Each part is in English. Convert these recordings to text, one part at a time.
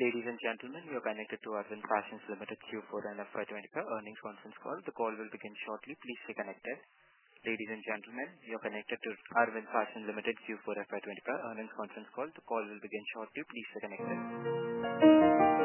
Ladies and gentlemen, you are connected to the Arvind Fashions Limited Q4 and FY 2025 earnings conference call. The call will begin shortly. Please stay connected. Ladies and gentlemen, you are connected to the Arvind Fashions Limited Q4 and FY 2025 earnings conference call. The call will begin shortly. Please stay connected.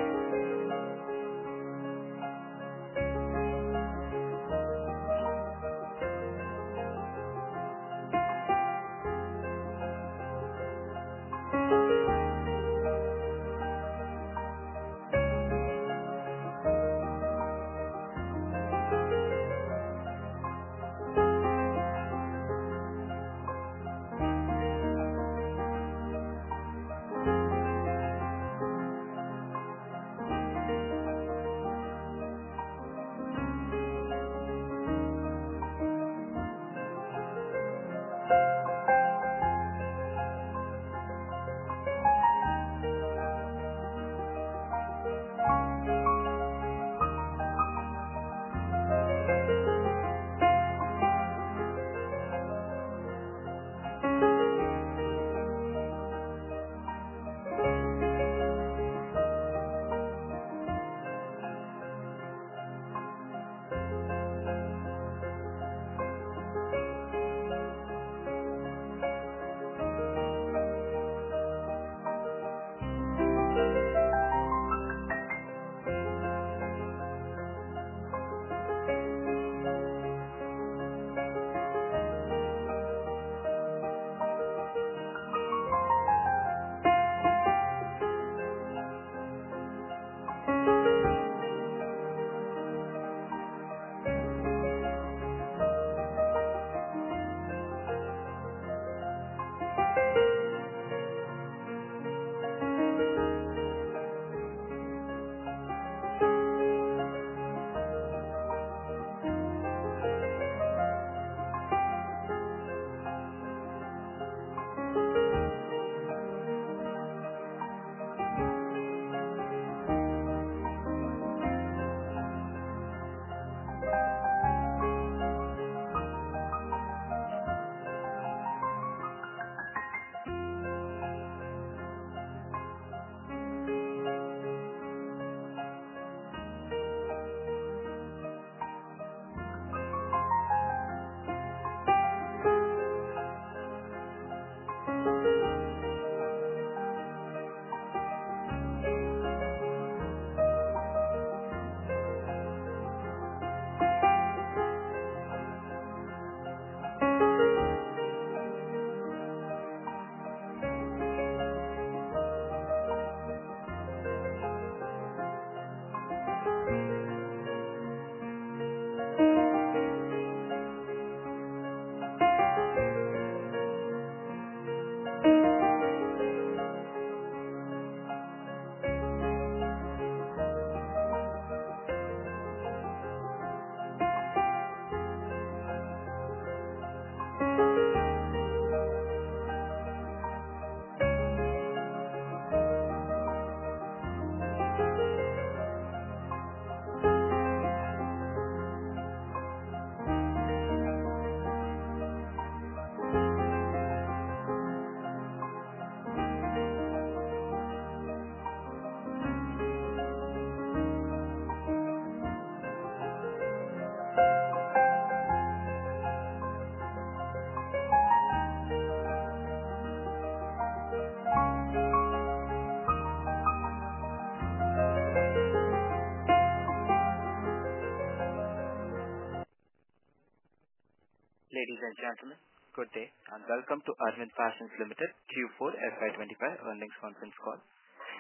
Ladies and gentlemen, good day and welcome to the Arvind Fashions Limited Q4 and FY 2025 earnings conference call.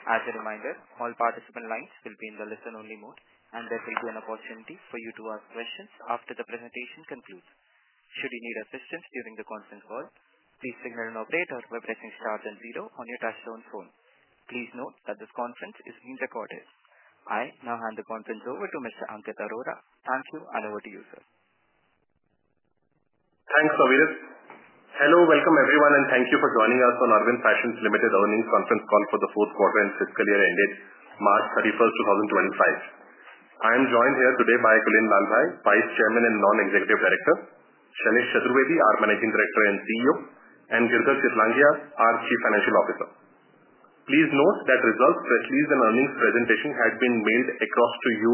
As a reminder, all participant lines will be in the listen-only mode, and there will be an opportunity for you to ask questions after the presentation concludes. Should you need assistance during the conference call, please signal an operator by pressing zero on your touch-tone phone. Please note that this conference is being recorded. I now hand the conference over to Mr. Ankit Arora. Thank you, and over to you, sir. Thanks, Ravind. Hello, welcome everyone, and thank you for joining us on Arvind Fashions Limited earnings conference call for the fourth quarter and fiscal year ended March 31, 2025. I am joined here today by Kulin Lalbhai, Vice Chairman and Non-Executive Director; Shailesh Chaturvedi, our Managing Director and CEO; and Girdhar Chitlangia, our Chief Financial Officer. Please note that results, press release, and earnings presentation had been mailed across to you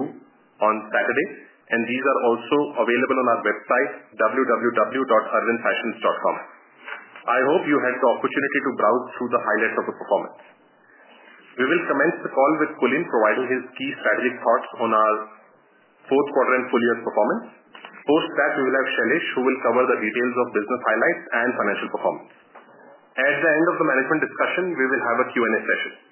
on Saturday, and these are also available on our website, www.arvindfashions.com. I hope you had the opportunity to browse through the highlights of the performance. We will commence the call with Kulin providing his key strategic thoughts on our fourth quarter and full year's performance. Post that, we will have Shailesh, who will cover the details of business highlights and financial performance. At the end of the management discussion, we will have a Q&A session.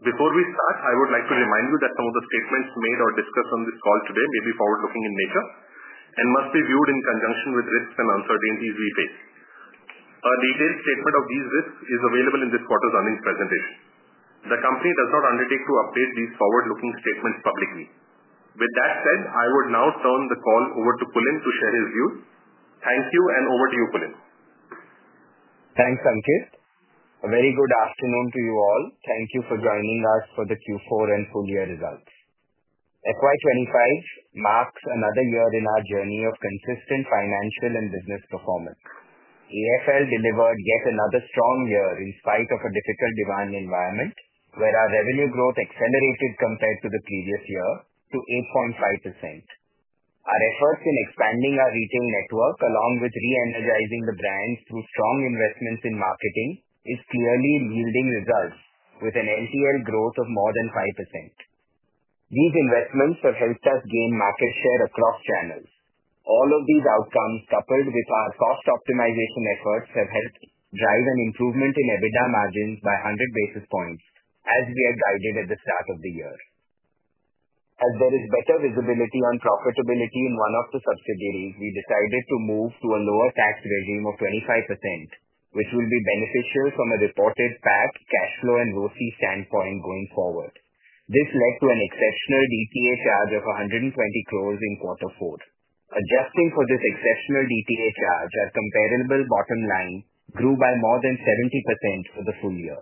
Before we start, I would like to remind you that some of the statements made or discussed on this call today may be forward-looking in nature and must be viewed in conjunction with risks and uncertainties we face. A detailed statement of these risks is available in this quarter's earnings presentation. The company does not undertake to update these forward-looking statements publicly. With that said, I would now turn the call over to Kulin to share his views. Thank you, and over to you, Kulin. Thanks, Ankit. A very good afternoon to you all. Thank you for joining us for the Q4 and full year results. FY 2025 marks another year in our journey of consistent financial and business performance. Arvind Fashions Limited delivered yet another strong year in spite of a difficult demand environment, where our revenue growth accelerated compared to the previous year to 8.5%. Our efforts in expanding our retail network, along with re-energizing the brand through strong investments in marketing, are clearly yielding results, with an LTL growth of more than 5%. These investments have helped us gain market share across channels. All of these outcomes, coupled with our cost optimization efforts, have helped drive an improvement in EBITDA margins by 100 basis points, as we had guided at the start of the year. As there is better visibility on profitability in one of the subsidiaries, we decided to move to a lower tax regime of 25%, which will be beneficial from a reported PAC cash flow and ROSI standpoint going forward. This led to an exceptional DTA charge of 120 crore in quarter four. Adjusting for this exceptional DTA charge, our comparable bottom line grew by more than 70% for the full year.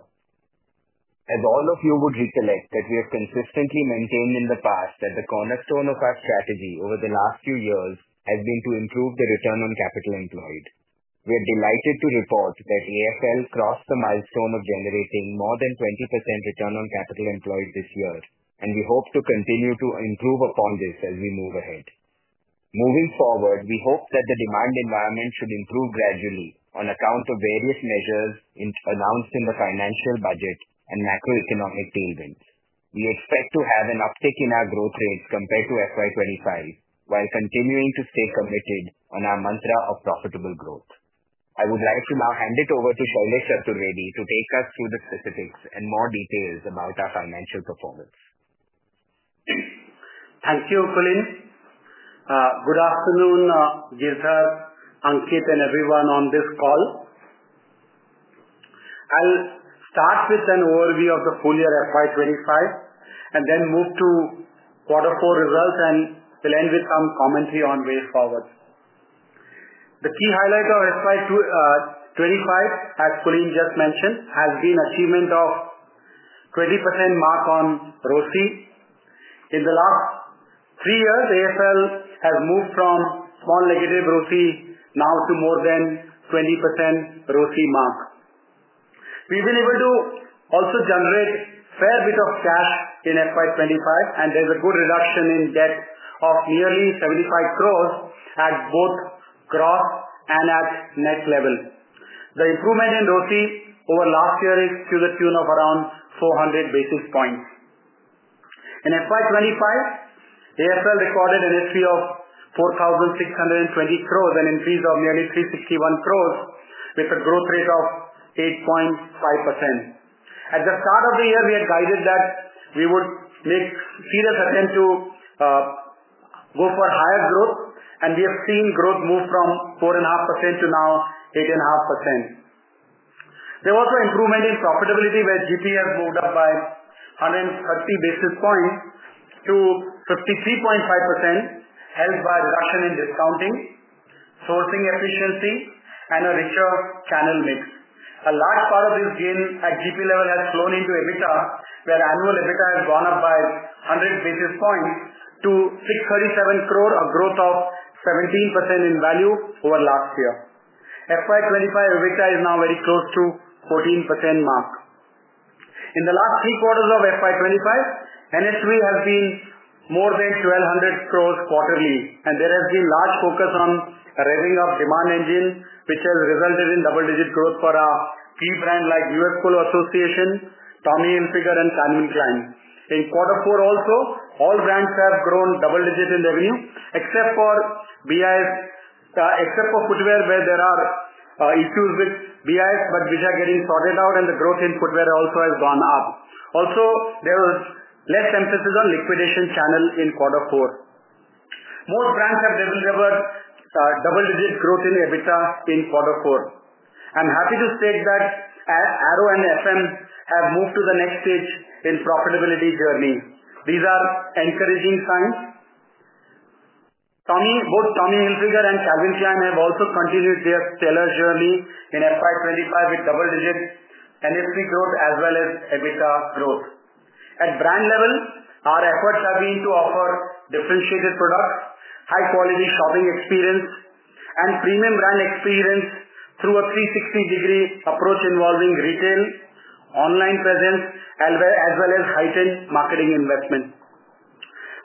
As all of you would recollect, we have consistently maintained in the past that the cornerstone of our strategy over the last few years has been to improve the return on capital employed. We are delighted to report that AFL crossed the milestone of generating more than 20% return on capital employed this year, and we hope to continue to improve upon this as we move ahead. Moving forward, we hope that the demand environment should improve gradually on account of various measures announced in the financial budget and macroeconomic tailwinds. We expect to have an uptick in our growth rates compared to FY 2025 while continuing to stay committed on our mantra of profitable growth. I would like to now hand it over to Shailesh Chaturvedi to take us through the specifics and more details about our financial performance. Thank you, Kulin. Good afternoon, Girdhar, Ankit, and everyone on this call. I'll start with an overview of the full year FY 2025 and then move to quarter four results, and we'll end with some commentary on ways forward. The key highlight of FY 2025, as Kulin just mentioned, has been the achievement of a 20% mark on ROSI. In the last three years, AFL has moved from a small negative ROSI now to more than a 20% ROSI mark. We've been able to also generate a fair bit of cash in FY 2025, and there's a good reduction in debt of nearly 75 crore at both gross and at net level. The improvement in ROSI over last year is to the tune of around 400 basis points. In FY 2025, AFL recorded an entry of 4,620 crore, an increase of nearly 361 crore, with a growth rate of 8.5%. At the start of the year, we had guided that we would make serious attempts to go for higher growth, and we have seen growth move from 4.5%-8.5%. There was an improvement in profitability, where GP has moved up by 130 basis points to 53.5%, helped by a reduction in discounting, sourcing efficiency, and a richer channel mix. A large part of this gain at GP level has flown into EBITDA, where annual EBITDA has gone up by 100 basis points to 637 crore, a growth of 17% in value over last year. FY 2025 EBITDA is now very close to the 14% mark. In the last three quarters of FY 2025, NSV has been more than 1,200 crore quarterly, and there has been a large focus on revving up the demand engine, which has resulted in double-digit growth for a key brand like U.S. Polo Assn., Tommy Hilfiger, and Calvin Klein. In quarter four also, all brands have grown double-digit in revenue, except for footwear, where there are issues with BIS, but which are getting sorted out, and the growth in footwear also has gone up. Also, there was less emphasis on the liquidation channel in quarter four. Most brands have delivered double-digit growth in EBITDA in quarter four. I'm happy to state that Arrow and Flying Machine have moved to the next stage in the profitability journey. These are encouraging signs. Both Tommy Hilfiger and Calvin Klein have also continued their stellar journey in FY 2025 with double-digit NSV growth as well as EBITDA growth. At brand level, our efforts have been to offer differentiated products, high-quality shopping experience, and premium brand experience through a 360-degree approach involving retail, online presence, as well as heightened marketing investment.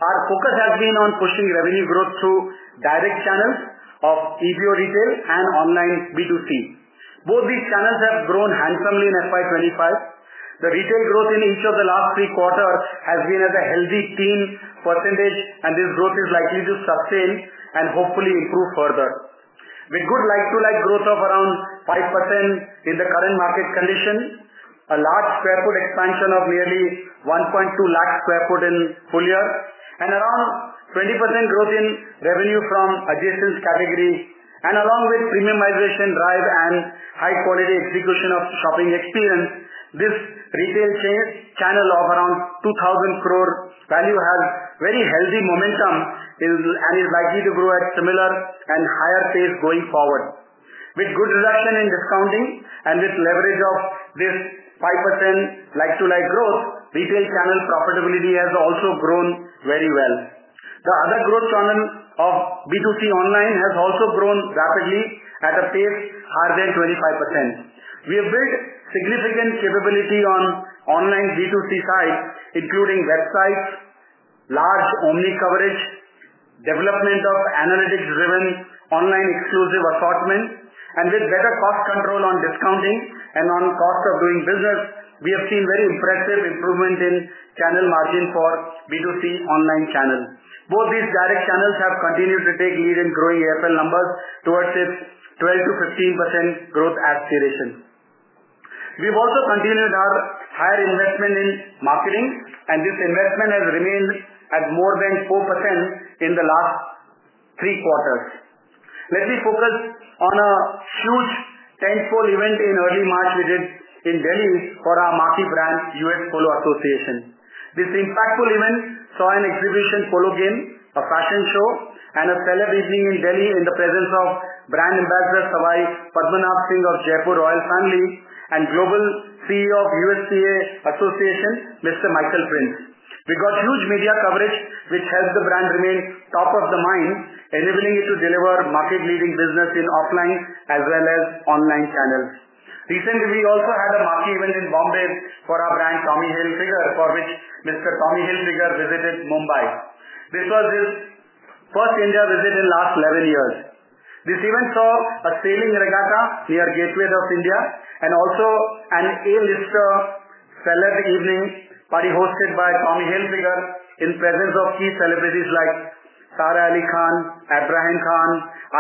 Our focus has been on pushing revenue growth through direct channels of EBO retail and online B2C. Both these channels have grown handsomely in FY 2025. The retail growth in each of the last three quarters has been at a healthy 10%, and this growth is likely to sustain and hopefully improve further. With good like-to-like growth of around 5% in the current market condition, a large sq ft expansion of nearly 120,000 sq ft in full year, and around 20% growth in revenue from adjacent categories. Along with premiumization drive and high-quality execution of shopping experience, this retail channel of around 2,000 crore value has very healthy momentum and is likely to grow at a similar and higher pace going forward. With good reduction in discounting and with leverage of this 5% like-to-like growth, retail channel profitability has also grown very well. The other growth channel of B2C online has also grown rapidly at a pace higher than 25%. We have built significant capability on the online B2C side, including websites, large omni coverage, development of analytics-driven online exclusive assortment, and with better cost control on discounting and on cost of doing business, we have seen very impressive improvement in channel margin for B2C online channels. Both these direct channels have continued to take lead in growing AFL numbers towards its 12%-15% growth aspiration. We have also continued our higher investment in marketing, and this investment has remained at more than 4% in the last three quarters. Let me focus on a huge tentpole event in early March we did in Delhi for our marquee brand, U.S. Polo Association. This impactful event saw an exhibition polo game, a fashion show, and a celeb evening in Delhi in the presence of brand ambassador Sawai Padmanabh Singh of Jaipur Royal Family and Global CEO of U.S. Polo Association, Mr. Michael Prince. We got huge media coverage, which helped the brand remain top of the mind, enabling it to deliver market-leading business in offline as well as online channels. Recently, we also had a marquee event in Mumbai for our brand, Tommy Hilfiger, for which Mr. Tommy Hilfiger visited Mumbai. This was his first India visit in the last 11 years. This event saw a sailing regatta near Gateway of India and also an A-lister celeb evening party hosted by Tommy Hilfiger in the presence of key celebrities like Sara Ali Khan, Ibrahim Ali Khan,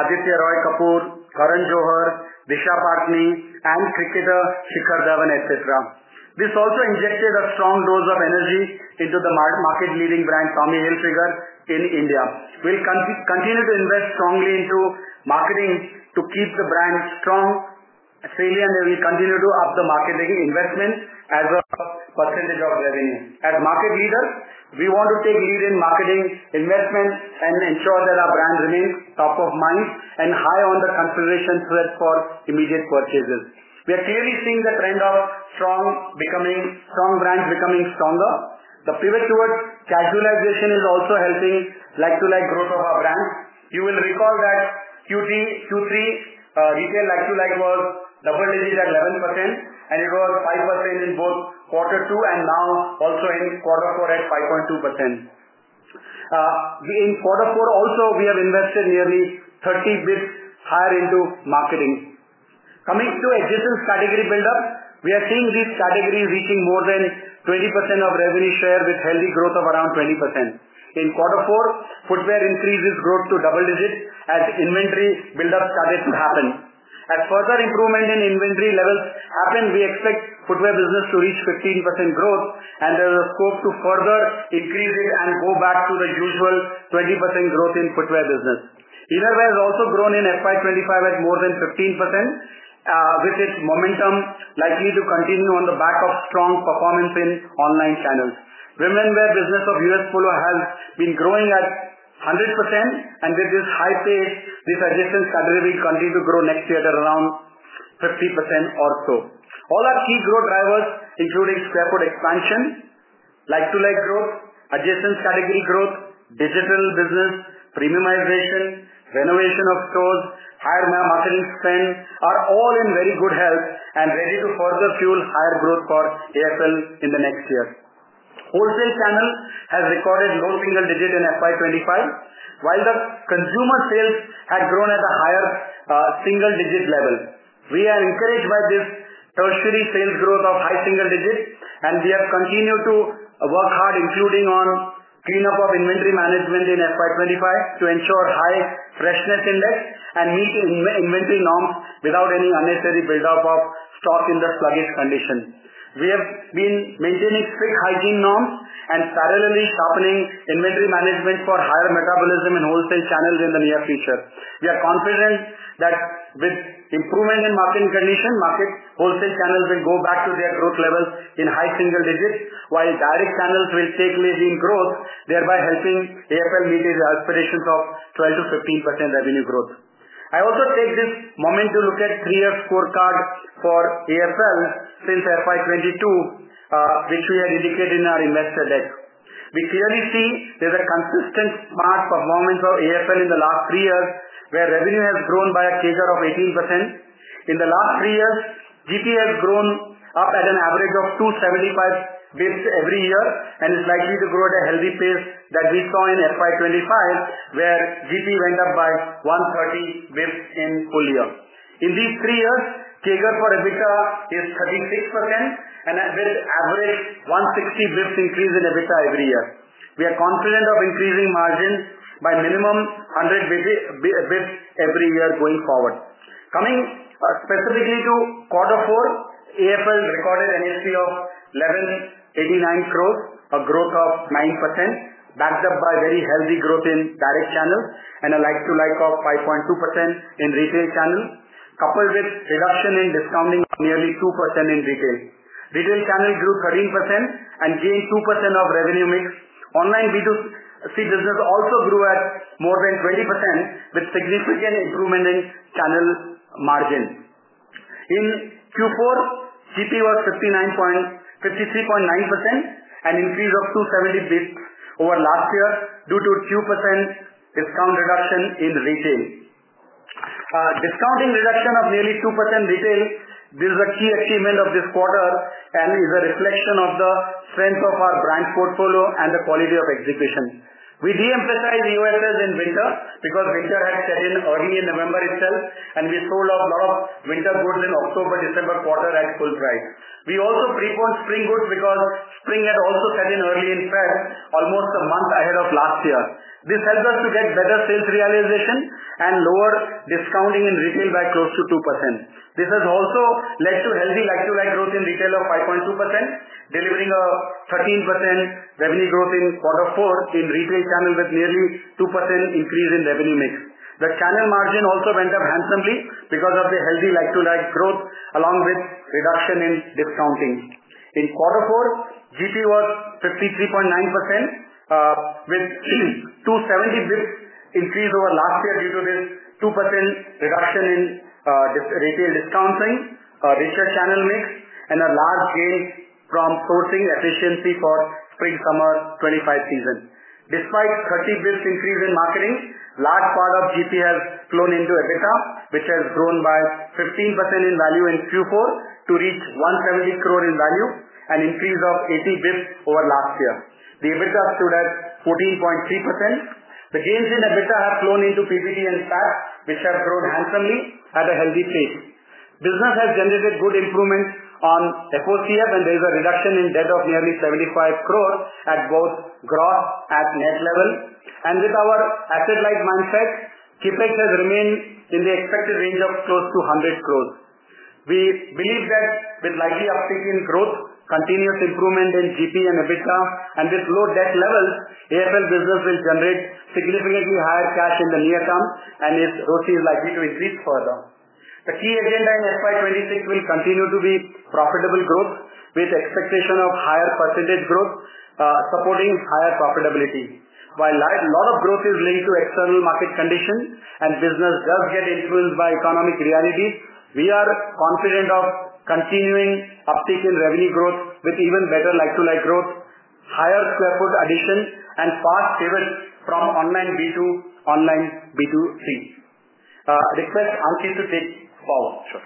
Aditya Roy Kapur, Karan Johar, Vishal Patni, and cricketer Shikhar Dhawan, etc. This also injected a strong dose of energy into the market-leading brand, Tommy Hilfiger, in India. We will continue to invest strongly into marketing to keep the brand strong. Australia, and we will continue to up the market investment as a percentage of revenue. As market leaders, we want to take lead in marketing investment and ensure that our brand remains top of mind and high on the consideration thread for immediate purchases. We are clearly seeing the trend of strong brands becoming stronger. The pivot towards casualization is also helping like-to-like growth of our brand. You will recall that Q3 retail like-to-like was double-digit at 11%, and it was 5% in both quarter two and now also in quarter four at 5.2%. In quarter four also, we have invested nearly 30 basis points higher into marketing. Coming to adjacent category buildup, we are seeing these categories reaching more than 20% of revenue share with healthy growth of around 20%. In quarter four, footwear increases growth to double digits as inventory buildup started to happen. As further improvement in inventory levels happens, we expect footwear business to reach 15% growth, and there is a scope to further increase it and go back to the usual 20% growth in footwear business. Innerwear has also grown in FY 2025 at more than 15%, with its momentum likely to continue on the back of strong performance in online channels. Women's wear business of US Polo Association has been growing at 100%, and with this high pace, this adjacent category will continue to grow next year at around 50% or so. All our key growth drivers, including sq ft expansion, like-to-like growth, adjacent category growth, digital business, premiumization, renovation of stores, and higher marketing spend are all in very good health and ready to further fuel higher growth for AFL in the next year. Wholesale channels have recorded low single digits in FY 2025, while the consumer sales have grown at a higher single digit level. We are encouraged by this tertiary sales growth of high single digits, and we have continued to work hard, including on cleanup of inventory management in FY 2025 to ensure high freshness index and meet inventory norms without any unnecessary buildup of stock in the sluggish condition. We have been maintaining strict hygiene norms and parallelly sharpening inventory management for higher metabolism in wholesale channels in the near future. We are confident that with improvement in marketing condition, wholesale channels will go back to their growth levels in high single digits, while direct channels will take lead in growth, thereby helping AFL meet its aspirations of 12%-15% revenue growth. I also take this moment to look at three-year scorecard for AFL since FY 2022, which we had indicated in our investor deck. We clearly see there's a consistent smart performance of AFL in the last three years, where revenue has grown by a CAGR of 18%. In the last three years, GP has grown up at an average of 275 basis points every year and is likely to grow at a healthy pace that we saw in FY 2025, where GP went up by 130 basis points in full year. In these three years, cadre for EBITDA is 36%, with an average 160 basis points increase in EBITDA every year. We are confident of increasing margins by a minimum of 100 basis points every year going forward. Coming specifically to quarter four, AFL recorded an NSV of 1,189 crore, a growth of 9%, backed up by very healthy growth in direct channels and a like-to-like of 5.2% in retail channels, coupled with reduction in discounting of nearly 2% in retail. Retail channels grew 13% and gained 2% of revenue mix. Online B2C business also grew at more than 20%, with significant improvement in channel margins. In Q4, GP was 53.9%, an increase of 270 basis points over last year due to a 2% discount reduction in retail. Discounting reduction of nearly 2% in retail, this is a key achievement of this quarter and is a reflection of the strength of our brand portfolio and the quality of execution. We de-emphasized USPA in winter because winter had set in early in November itself, and we sold a lot of winter goods in the October-December quarter at full price. We also preponed spring goods because spring had also set in early in February, almost a month ahead of last year. This helped us to get better sales realization and lower discounting in retail by close to 2%. This has also led to healthy like-to-like growth in retail of 5.2%, delivering a 13% revenue growth in quarter four in retail channels with nearly 2% increase in revenue mix. The channel margin also went up handsomely because of the healthy like-to-like growth along with reduction in discounting. In quarter four, GP was 53.9%, with a 270 basis points increase over last year due to this 2% reduction in retail discounting, richer channel mix, and a large gain from sourcing efficiency for spring-summer 2025 season. Despite a 30 basis points increase in marketing, a large part of GP has flown into EBITDA, which has grown by 15% in value in Q4 to reach 170 crore in value, an increase of 80 basis points over last year. The EBITDA stood at 14.3%. The gains in EBITDA have flown into PPT and SAP, which have grown handsomely at a healthy pace. Business has generated good improvement on FOCF, and there is a reduction in debt of nearly 75 crore at both gross and net level. With our asset-light mindset, CHIPEX has remained in the expected range of close to 100 crore. We believe that with likely uptick in growth, continuous improvement in GP and EBITDA, and with low debt levels, AFL business will generate significantly higher cash in the near term and its ROSI is likely to increase further. The key agenda in FY 2026 will continue to be profitable growth, with expectation of higher % growth supporting higher profitability. While a lot of growth is linked to external market conditions and business does get influenced by economic realities, we are confident of continuing uptick in revenue growth with even better like-to-like growth, higher sq ft addition, and fast pivot from online B2 online B2C. Request Ankit to take power. Sure.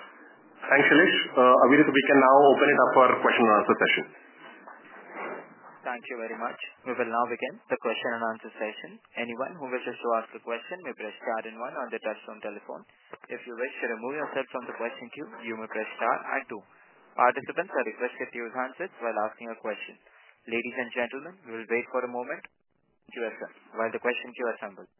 Thanks, Shailesh. Avith, we can now open it up for our question-and-answer session. Thank you very much. We will now begin the question-and-answer session. Anyone who wishes to ask a question may press star and one on the touchstone telephone. If you wish to remove yourself from the question queue, you may press star and two. Participants are requested to use handsets while asking a question. Ladies and gentlemen, we will wait for a moment while the question queue assembles.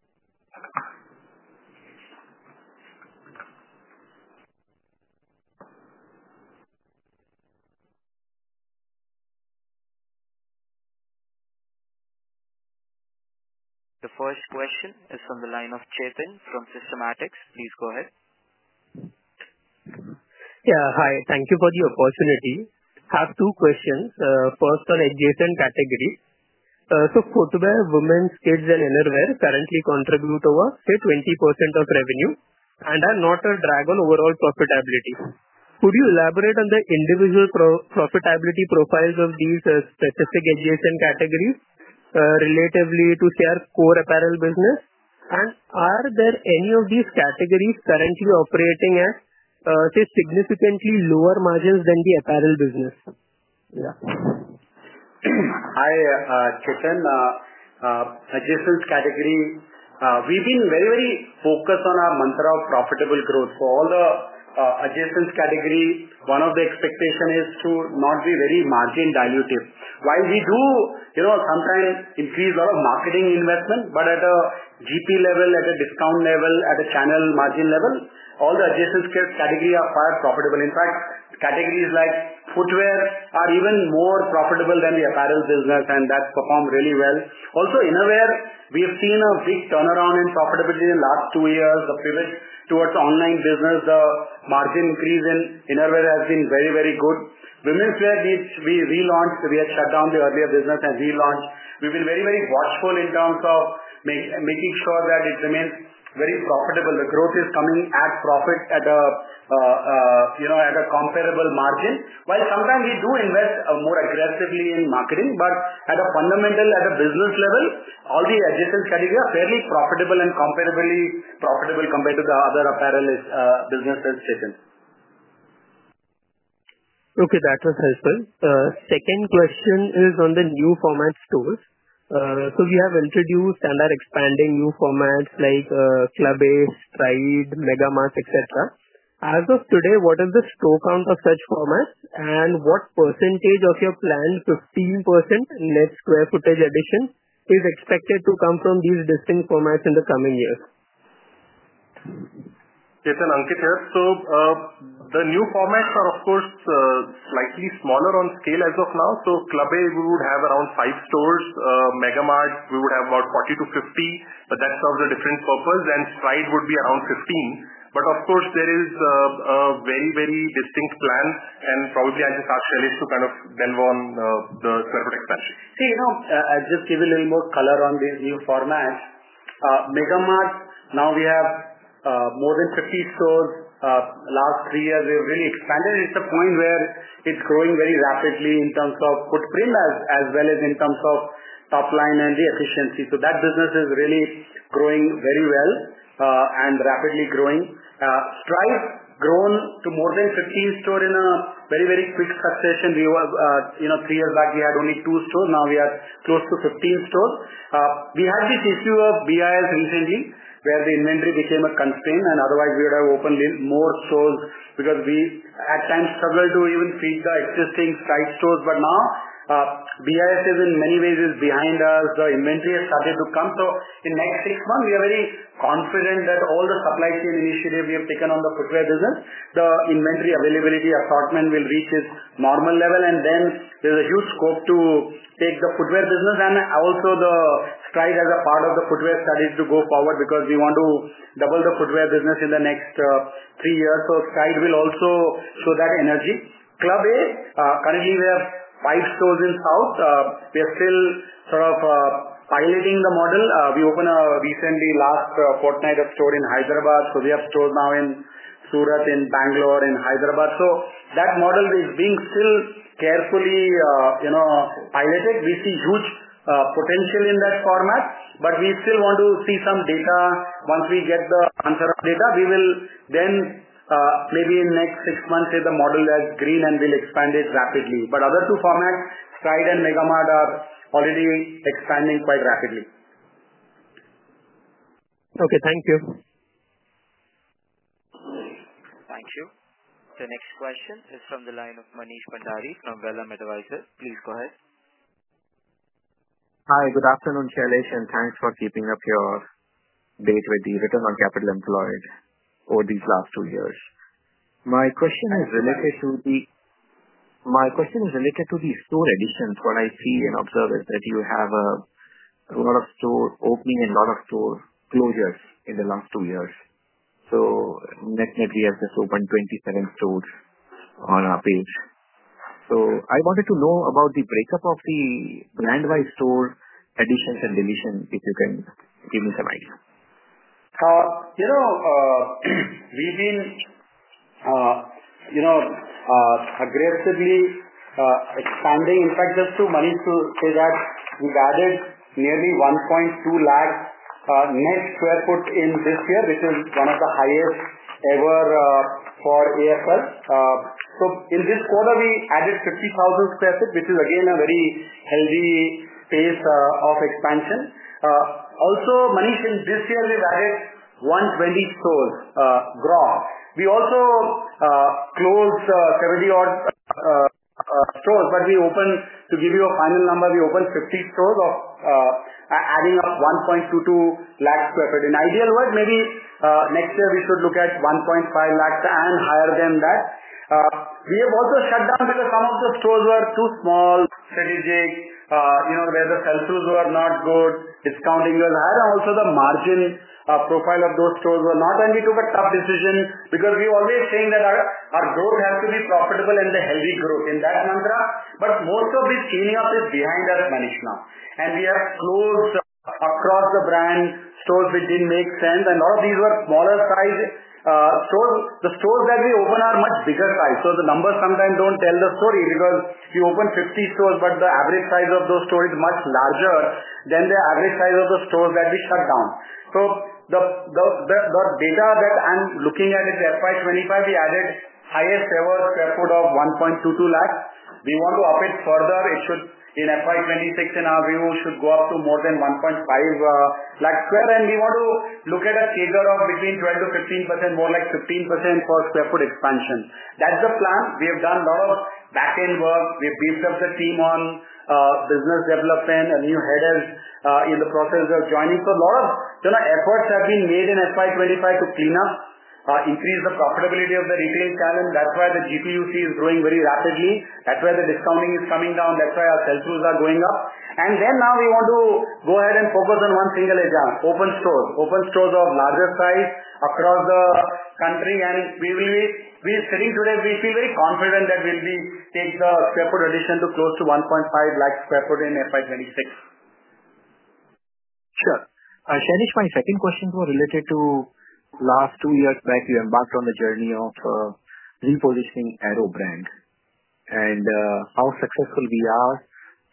The first question is from the line of Chetan from Systematix. Please go ahead. Yeah, hi. Thank you for the opportunity. I have two questions. First, on adjacent categories. So, footwear, women's, kids, and innerwear currently contribute over, say, 20% of revenue and are not a drag on overall profitability. Could you elaborate on the individual profitability profiles of these specific adjacent categories relatively to their core apparel business? Are there any of these categories currently operating at, say, significantly lower margins than the apparel business? Yeah. Hi, Chetan. Adjacent category, we've been very, very focused on our mantra of profitable growth. For all the adjacent categories, one of the expectations is to not be very margin dilutive. While we do sometimes increase a lot of marketing investment, at a GP level, at a discount level, at a channel margin level, all the adjacent categories are quite profitable. In fact, categories like footwear are even more profitable than the apparel business, and that performs really well. Also, innerwear, we have seen a big turnaround in profitability in the last two years. The pivot towards online business, the margin increase in innerwear has been very, very good. Women's wear, we relaunched. We had shut down the earlier business and relaunched. We've been very, very watchful in terms of making sure that it remains very profitable. The growth is coming at profit at a comparable margin. While sometimes we do invest more aggressively in marketing, at a fundamental, at a business level, all the adjacent categories are fairly profitable and comparably profitable compared to the other apparel businesses, Chetan. Okay, that was helpful. Second question is on the new format stores. We have introduced and are expanding new formats like Club A, Stride, Megamart, etc. As of today, what is the stock count of such formats? What percentage of your planned 15% net sq ft addition is expected to come from these distinct formats in the coming years? Chetan, Ankit here. The new formats are, of course, slightly smaller on scale as of now. Club A, we would have around five stores. Megamart, we would have about 40-50, but that serves a different purpose. Stride would be around 15. Of course, there is a very, very distinct plan. I just ask Shailesh to kind of delve on the sq ft expansion. See, you know, I'll just give you a little more color on these new formats. Megamart, now we have more than 50 stores. Last three years, we have really expanded. It's a point where it's growing very rapidly in terms of footprint as well as in terms of top line and the efficiency. That business is really growing very well and rapidly growing. Stride has grown to more than 15 stores in a very, very quick succession. Three years back, we had only two stores. Now we are close to 15 stores. We had this issue of BIS recently, where the inventory became a constraint. Otherwise, we would have opened more stores because we at times struggled to even feed the existing Stride stores. Now, BIS is in many ways behind us. The inventory has started to come. In the next six months, we are very confident that all the supply chain initiatives we have taken on the footwear business, the inventory availability assortment will reach its normal level. There is a huge scope to take the footwear business and also the Stride as a part of the footwear studies to go forward because we want to double the footwear business in the next three years. Stride will also show that energy. Club A, currently we have five stores in South. We are still sort of piloting the model. We opened recently the last fortnight of stores in Hyderabad. We have stores now in Surat, in Bangalore, in Hyderabad. That model is being still carefully piloted. We see huge potential in that format. We still want to see some data. Once we get the answer of data, we will then maybe in the next six months see the model as green and we'll expand it rapidly. Other two formats, Stride and Megamart, are already expanding quite rapidly. Okay, thank you. Thank you. The next question is from the line of Manish Bhandari from Vallum Advisors. Please go ahead. Hi, good afternoon, Shailesh. Thanks for keeping up your bait with the return on capital employed over these last two years. My question is related to the—my question is related to the store additions. What I see and observe is that you have a lot of store opening and a lot of store closures in the last two years. So, neck and neck, we have just opened 27 stores on our page. I wanted to know about the breakup of the brand-wide store additions and deletions, if you can give me some idea. You know, we've been aggressively expanding. In fact, just to Manish to say that we've added nearly 1.2 lakh net sq ft in this year, which is one of the highest ever for Arvind Fashions Limited. In this quarter, we added 50,000 sq ft, which is again a very healthy pace of expansion. Also, Manish, in this year, we've added 120 stores gross. We also closed 70-odd stores, but we opened—to give you a final number—we opened 50 stores of adding up 1.22 lakh sq ft. In ideal world, maybe next year we should look at 1.5 lakh and higher than that. We have also shut down because some of the stores were too small, strategic, where the sales throughs were not good, discounting was higher, and also the margin profile of those stores were not. We took a tough decision because we're always saying that our growth has to be profitable and the healthy growth in that mantra. Most of this cleaning up is behind us, Manish, now. We have closed across the brand stores which didn't make sense. A lot of these were smaller size stores. The stores that we open are much bigger size. The numbers sometimes do not tell the story because we opened 50 stores, but the average size of those stores is much larger than the average size of the stores that we shut down. The data that I'm looking at is FY 2025. We added highest ever sq ft of 122,000 sq ft. We want to up it further. It should, in FY 2026, in our view, go up to more than 150,000 sq ft. We want to look at a figure of between 12%-15%, more like 15% for sq ft expansion. That's the plan. We have done a lot of back-end work. We've beefed up the team on business development. A new head is in the process of joining. A lot of efforts have been made in FY 2025 to clean up, increase the profitability of the retail channel. That's why the GPUC is growing very rapidly. That's why the discounting is coming down. That's why our sales throughs are going up. Then now we want to go ahead and focus on one single agenda: open stores, open stores of larger size across the country. We are sitting today, we feel very confident that we will take the sq ft addition to close to 150,000 sq ft in FY 2026. Sure. Shailesh, my second question was related to last two years back you embarked on the journey of repositioning Arrow brand and how successful we are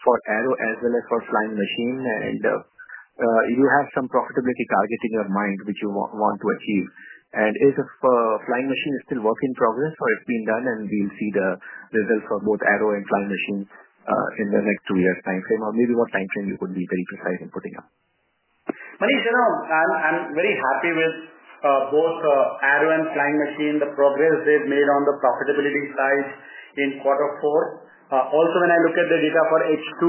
for Arrow as well as for Flying Machine. You have some profitability target in your mind which you want to achieve. Is Flying Machine still a work in progress, or it is done, and we will see the results for both Arrow and Flying Machine in the next two years' timeframe, or maybe what timeframe you could be very precise in putting up? Manish, you know, I'm very happy with both Arrow and Flying Machine, the progress they've made on the profitability side in quarter four. Also, when I look at the data for H2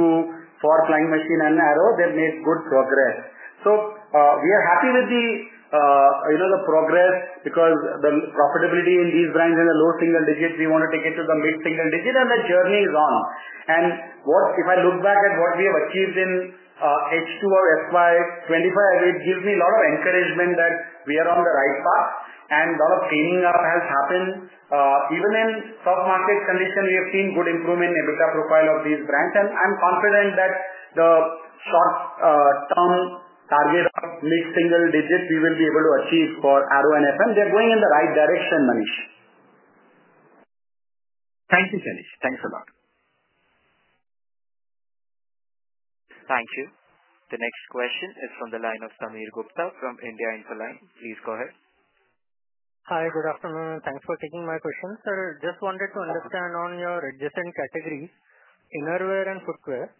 for Flying Machine and Arrow, they've made good progress. We are happy with the progress because the profitability in these brands in the low single digits, we want to take it to the mid single digit, and the journey is on. If I look back at what we have achieved in H2 of FY 2025, it gives me a lot of encouragement that we are on the right path and a lot of cleaning up has happened. Even in soft market condition, we have seen good improvement in EBITDA profile of these brands. I'm confident that the short-term target of mid single digit we will be able to achieve for Arrow and FM. They're going in the right direction, Manish. Thank you, Shailesh. Thanks a lot. Thank you. The next question is from the line of Sameer Gupta from India Infoline. Please go ahead. Hi, good afternoon. Thanks for taking my question, sir. Just wanted to understand on your adjacent categories, innerwear and footwear,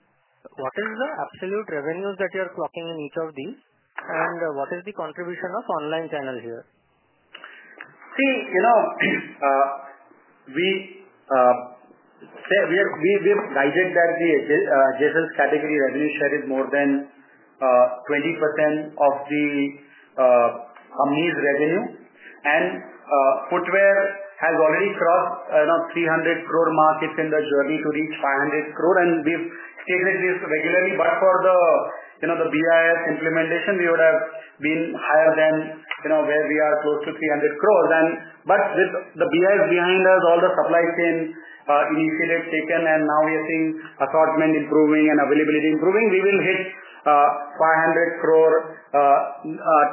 what is the absolute revenues that you are clocking in each of these, and what is the contribution of online channels here? See, you know, we have guided that the adjacent category revenue share is more than 20% of the company's revenue. And footwear has already crossed 300 crore mark. It's in the journey to reach 500 crore. We've stated this regularly. For the BIS implementation, we would have been higher than where we are, close to 300 crore. With the BIS behind us, all the supply chain initiatives taken, and now we are seeing assortment improving and availability improving, we will hit 500 crore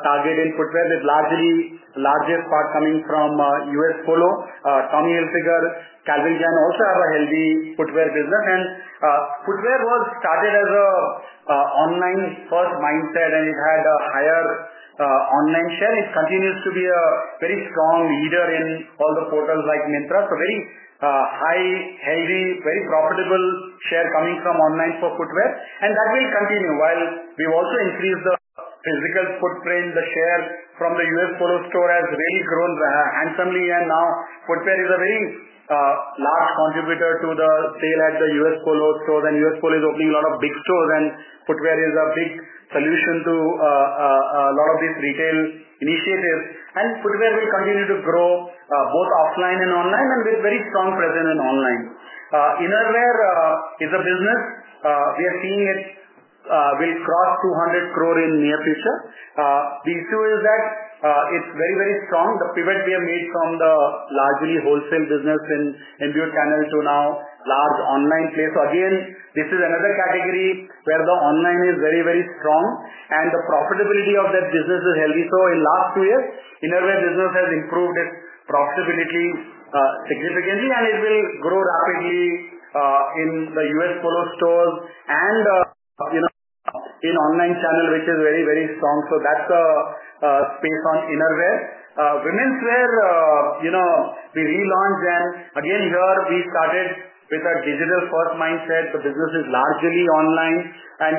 target in footwear. The largest part coming from US Polo, Tommy Hilfiger, Calvin Klein also have a healthy footwear business. And footwear was started as an online-first mindset, and it had a higher online share. It continues to be a very strong leader in all the portals like Myntra. So, very high, healthy, very profitable share coming from online for footwear. That will continue while we've also increased the physical footprint. The share from the US Polo store has really grown handsomely. Now footwear is a very large contributor to the sale at the US Polo stores. US Polo is opening a lot of big stores, and footwear is a big solution to a lot of these retail initiatives. Footwear will continue to grow both offline and online with very strong presence in online. Innerwear is a business. We are seeing it will cross 200 crore in the near future. The issue is that it is very, very strong. The pivot we have made from the largely wholesale business in embryo channel to now large online place. Again, this is another category where the online is very, very strong. The profitability of that business is healthy. In the last two years, innerwear business has improved its profitability significantly, and it will grow rapidly in the US Polo Association stores and in online channel, which is very, very strong. That is a space on innerwear. Women's wear, we relaunched. Here we started with a digital first mindset. The business is largely online.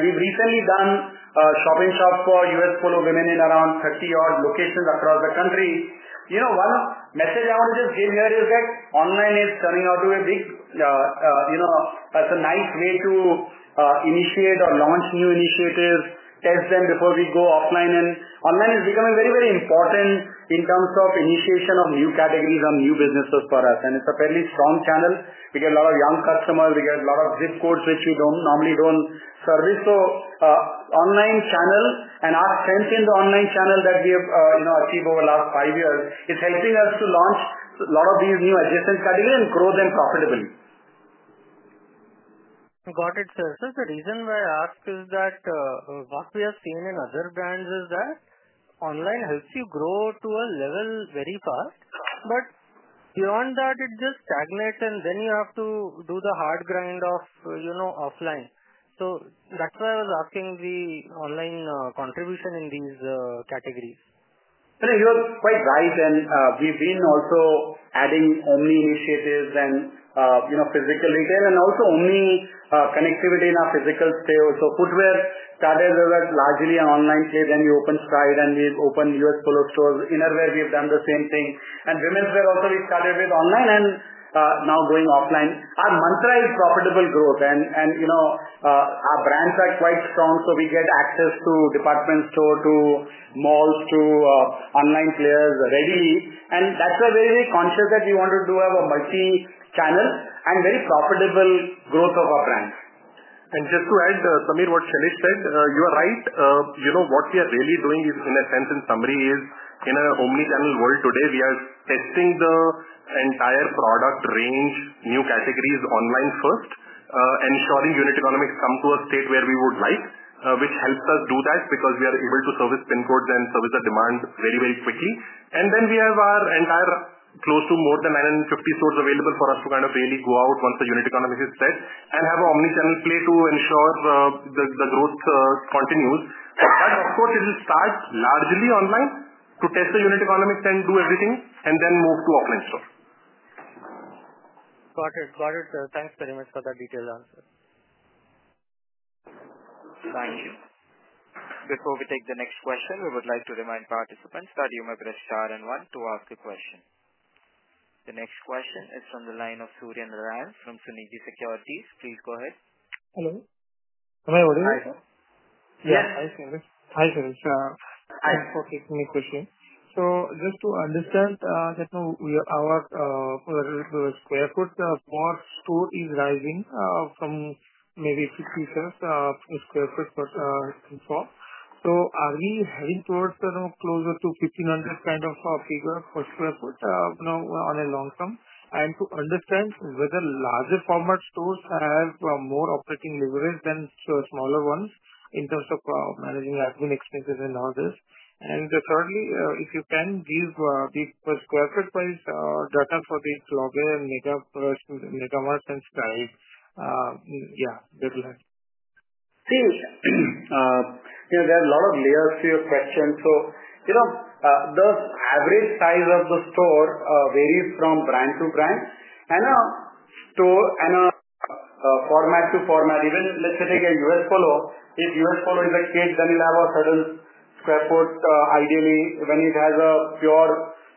We have recently done shop-in-shop for US Polo women in around 30-odd locations across the country. One message I want to just give here is that online is turning out to be a big, as a nice way to initiate or launch new initiatives, test them before we go offline. Online is becoming very, very important in terms of initiation of new categories and new businesses for us. It is a fairly strong channel. We get a lot of young customers. We get a lot of zip codes which we normally do not service. Online channel and our strength in the online channel that we have achieved over the last five years is helping us to launch a lot of these new adjacent categories and grow them profitably. Got it, sir. Sir, the reason why I ask is that what we have seen in other brands is that online helps you grow to a level very fast. Beyond that, it just stagnates, and you have to do the hard grind of offline. That is why I was asking the online contribution in these categories. You're quite right. We've been also adding Omni initiatives and physical retail and also Omni connectivity in our physical sales. Footwear started as a largely online play. Then we opened Stride, and we opened US Polo Assn. stores. Innerwear, we have done the same thing. Women's wear also, we started with online and now going offline. Our mantra is profitable growth. Our brands are quite strong. We get access to department stores, to malls, to online players readily. That is why we are very conscious that we want to have a multi-channel and very profitable growth of our brands. Just to add, Samir, what Shailesh said, you are right. What we are really doing in a sense and summary is in an Omni channel world today, we are testing the entire product range, new categories online first, ensuring unit economics come to a state where we would like, which helps us do that because we are able to service pin codes and service the demand very, very quickly. We have our entire close to more than 950 stores available for us to kind of really go out once the unit economics is set and have an Omni channel play to ensure the growth continues. Of course, it will start largely online to test the unit economics and do everything and then move to offline store. Got it. Got it. Thanks very much for that detailed answer. Thank you. Before we take the next question, we would like to remind participants that you may press star and one to ask a question. The next question is from the line of Surya Narayan from Sunidhi Securities. Please go ahead. Hello. Hi, how are you? Hi. Yes, I see you. Hi, Shailesh. Thanks for taking the question. Just to understand that our sq ft per store is rising from maybe 50 sq ft per store. Are we heading towards closer to 1,500 kind of figure per sq ft on a long term? To understand whether larger format stores have more operating leverage than smaller ones in terms of managing admin expenses and all this. Thirdly, if you can, give the sq ft price data for the Club A and Megamart and Stride. Yeah, good luck. See, there are a lot of layers to your question. The average size of the store varies from brand to brand and format to format. Even, let's say, take a US Polo. If US Polo is a kid, then it will have a certain sq ft ideally. When it has a pure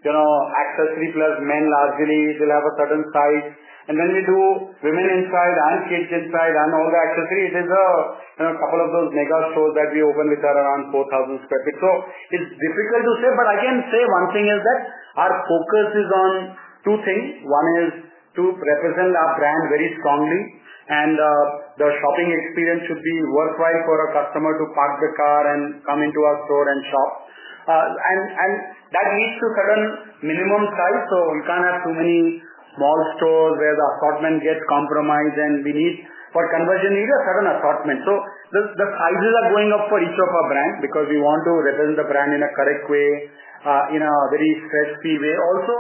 accessory plus men largely, it will have a certain size. When we do women inside and kids inside and all the accessory, it is a couple of those mega stores that we open which are around 4,000 sq ft. It's difficult to say, but I can say one thing is that our focus is on two things. One is to represent our brand very strongly, and the shopping experience should be worthwhile for a customer to park the car and come into our store and shop. That leads to certain minimum size. We can't have too many small stores where the assortment gets compromised, and we need for conversion need a certain assortment. The sizes are going up for each of our brands because we want to represent the brand in a correct way, in a very stress-free way. Also,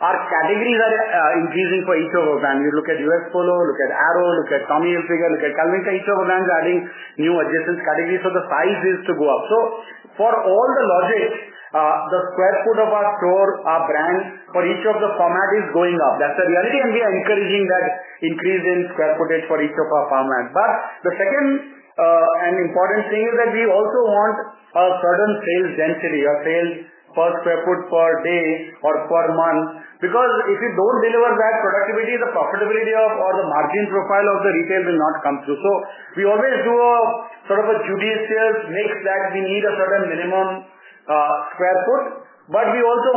our categories are increasing for each of our brands. You look at U.S. Polo, look at Arrow, look at Tommy Hilfiger, look at Calvin Klein. Each of our brands is adding new adjacent categories. The size is to go up. For all the logic, the sq ft of our store, our brand for each of the formats is going up. That's the reality. We are encouraging that increase in sq ft for each of our formats. The second and important thing is that we also want a certain sales density or sales per sq ft per day or per month because if you do not deliver that productivity, the profitability of the margin profile of the retail will not come through. We always do a sort of a judicious mix that we need a certain minimum sq ft, but we also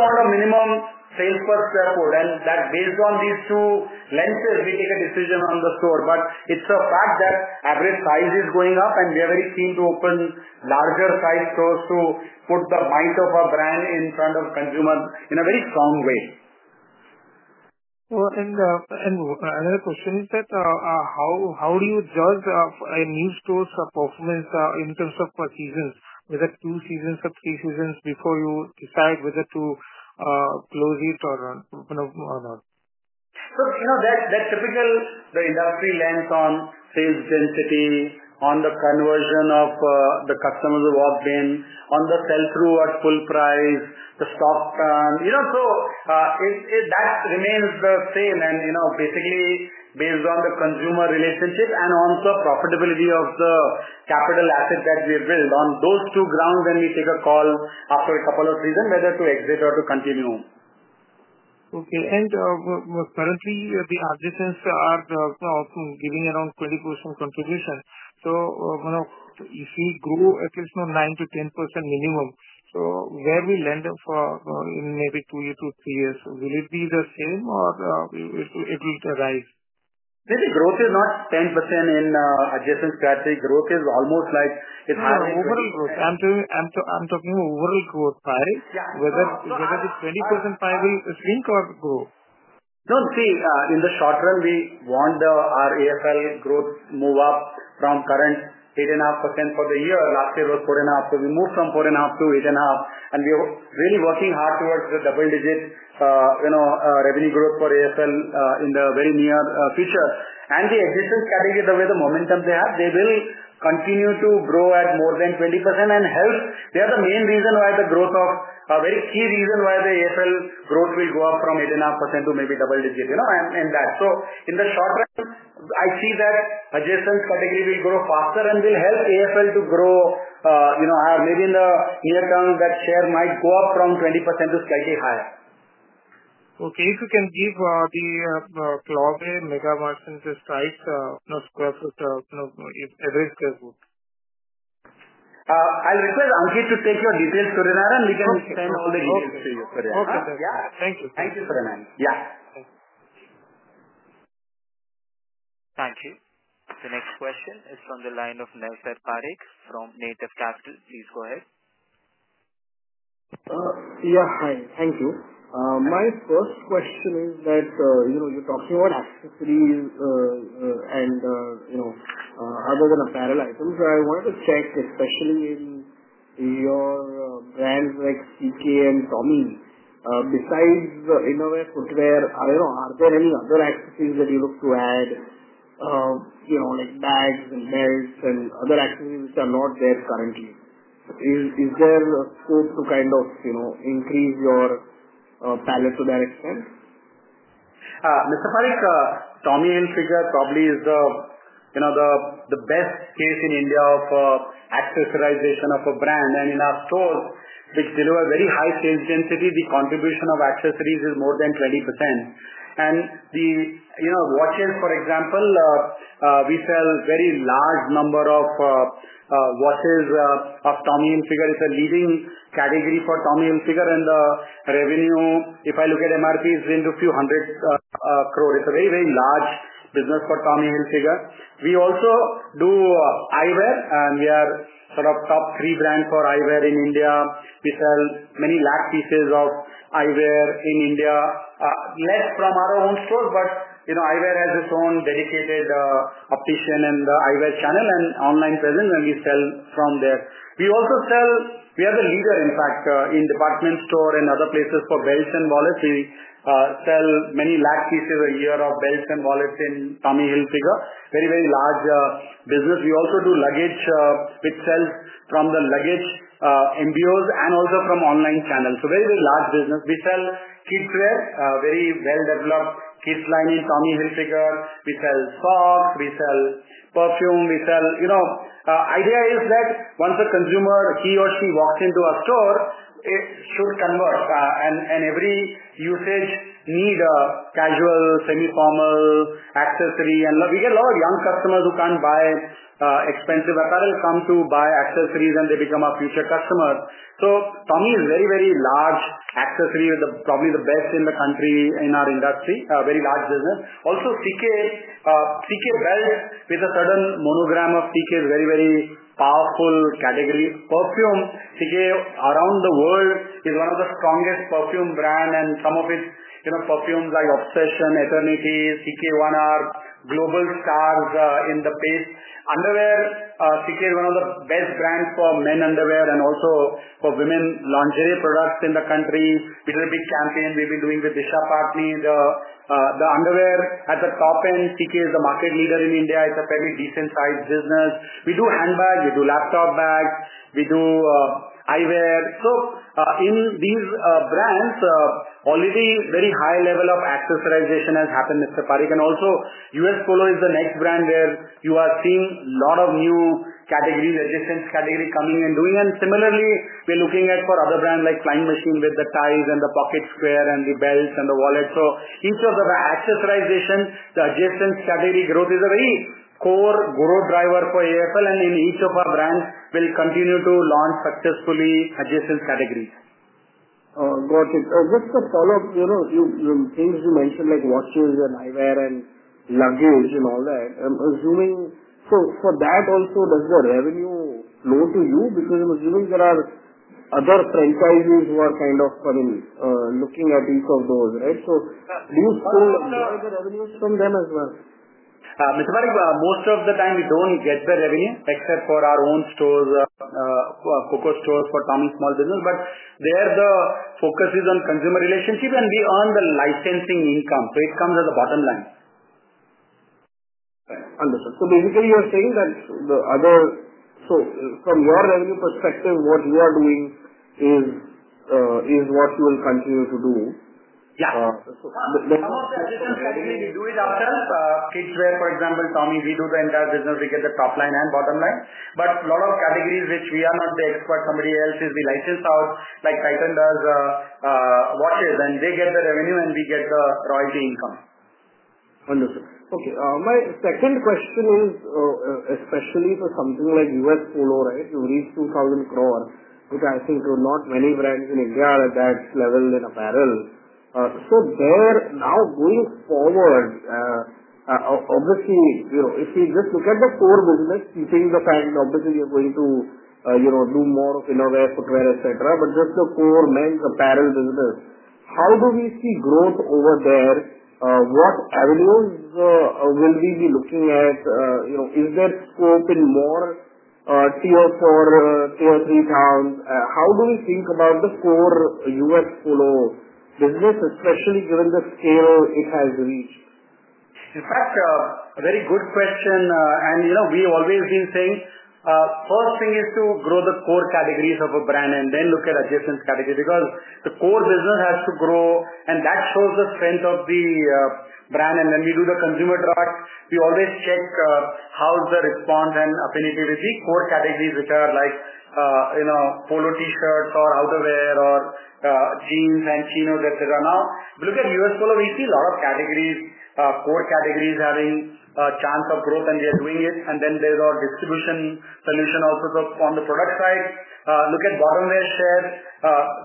want a minimum sales per sq ft. That is based on these two lenses we take a decision on the store. It is a fact that average size is going up, and we are very keen to open larger size stores to put the might of our brand in front of consumers in a very strong way. Another question is that how do you judge a new store's performance in terms of seasons? Was it two seasons or three seasons before you decide whether to close it or not? That's typical. The industry lens on sales density, on the conversion of the customers who walked in, on the sell-through at full price, the stock turn. That remains the same. Basically, based on the consumer relationship and also profitability of the capital asset that we have built, on those two grounds, we take a call after a couple of seasons whether to exit or to continue. Okay. Currently, the adjacents are also giving around 20% contribution. If we grow at least 9%-10% minimum, where do we land in maybe two years to three years, will it be the same or will it rise? Maybe growth is not 10% in adjacent category. Growth is almost like it's higher than that. Overall growth. I'm talking overall growth, right? Whether the 20% pie will shrink or grow. No, see, in the short term, we want our AFL growth to move up from current 8.5% for the year. Last year was 4.5%. So, we moved from 4.5%-8.5%. We are really working hard towards the double-digit revenue growth for AFL in the very near future. The adjacent category, the way the momentum they have, they will continue to grow at more than 20% and help. They are the main reason, a very key reason why the AFL growth will go up from 8.5% to maybe double-digit in that. In the short term, I see that adjacent category will grow faster and will help AFL to grow higher. Maybe in the near term, that share might go up from 20% to slightly higher. Okay. If you can give the Club A, Megamart, and Stride average sq ft. I'll request Ankit to take your details, Suryan Rayan, and we can send all the details to you, Suryan Rayan. Okay. Yeah. Thank you. Thank you, Surya Narayan. Yeah. Thank you. The next question is from the line of Naysar Parikh from Native Capital. Please go ahead. Yeah. Hi. Thank you. My first question is that you're talking about accessories and other than apparel items, I wanted to check especially in your brands like CK and Tommy. Besides the innerwear, footwear, are there any other accessories that you look to add like bags and belts and other accessories which are not there currently? Is there a scope to kind of increase your palette to that extent? Mr. Parekh, Tommy Hilfiger probably is the best case in India for accessorization of a brand. In our stores, which deliver very high sales density, the contribution of accessories is more than 20%. The watches, for example, we sell a very large number of watches of Tommy Hilfiger. It is a leading category for Tommy Hilfiger. The revenue, if I look at MRP, is into a few hundred crore. It is a very, very large business for Tommy Hilfiger. We also do eyewear, and we are sort of top three brands for eyewear in India. We sell many lakh pieces of eyewear in India, less from our own stores, but eyewear has its own dedicated optician and the eyewear channel and online presence, and we sell from there. We also sell, we are the leader, in fact, in department store and other places for belts and wallets. We sell many lakh pieces a year of belts and wallets in Tommy Hilfiger. Very, very large business. We also do luggage, which sells from the luggage MBOs and also from online channels. Very, very large business. We sell kids' wear, very well-developed kids' line in Tommy Hilfiger. We sell socks. We sell perfume. The idea is that once a consumer, he or she walks into a store, it should convert. Every usage need, a casual, semi-formal, accessory. We get a lot of young customers who cannot buy expensive apparel come to buy accessories, and they become our future customers. Tommy is a very, very large accessory, probably the best in the country in our industry, a very large business. Also, CK belt with a certain monogram of CK is a very, very powerful category. Perfume, CK around the world is one of the strongest perfume brands, and some of its perfumes like Obsession, Eternity, CK One are global stars in the space. Underwear, CK is one of the best brands for men underwear and also for women lingerie products in the country. We did a big campaign. We've been doing with Disha Patni. The underwear at the top end, CK is the market leader in India. It's a fairly decent-sized business. We do handbags. We do laptop bags. We do eyewear. In these brands, already very high level of accessorization has happened, Mr. Parekh. US Polo is the next brand where you are seeing a lot of new categories, adjacent category coming and doing. Similarly, we're looking at for other brands like Flying Machine with the ties and the pocket square and the belts and the wallets. Each of the accessorization, the adjacent category growth is a very core growth driver for AFL. In each of our brands, we'll continue to launch successfully adjacent categories. Got it. Just to follow up, things you mentioned like watches and eyewear and luggage and all that, I'm assuming for that also, does the revenue flow to you? Because I'm assuming there are other franchisees who are kind of looking at each of those, right? Do you still get the revenues from them as well? Mr. Parekh, most of the time, we don't get the revenue except for our own stores, Coco Store for Tommy Small Business. There, the focus is on consumer relationship, and we earn the licensing income. It comes as a bottom line. Understood. Basically, you're saying that the other—so, from your revenue perspective, what you are doing is what you will continue to do? Yeah. Some of the adjacent category, we do it ourselves. Kids' wear, for example, Tommy, we do the entire business. We get the top line and bottom line. A lot of categories which we are not the expert, somebody else is, we license out like Titan does watches. They get the revenue, and we get the royalty income. Understood. Okay. My second question is especially for something like US Polo, right? You reach 2,000 crore, which I think not many brands in India are at that level in apparel. Now, going forward, obviously, if we just look at the core business, keeping the fact that obviously you're going to do more of innerwear, footwear, etc., but just the core men's apparel business, how do we see growth over there? What avenues will we be looking at? Is there scope in more Tier 4, Tier 3 towns? How do we think about the core US Polo business, especially given the scale it has reached? In fact, a very good question. We've always been saying first thing is to grow the core categories of a brand and then look at adjacent categories because the core business has to grow, and that shows the strength of the brand. When we do the consumer trust, we always check how's the response and affinity with the core categories which are like polo T-shirts or outerwear or jeans and chinos, etc. Now, if you look at US Polo, we see a lot of categories, core categories having a chance of growth, and they're doing it. Then there's our distribution solution also on the product side. Look at bottom wear share.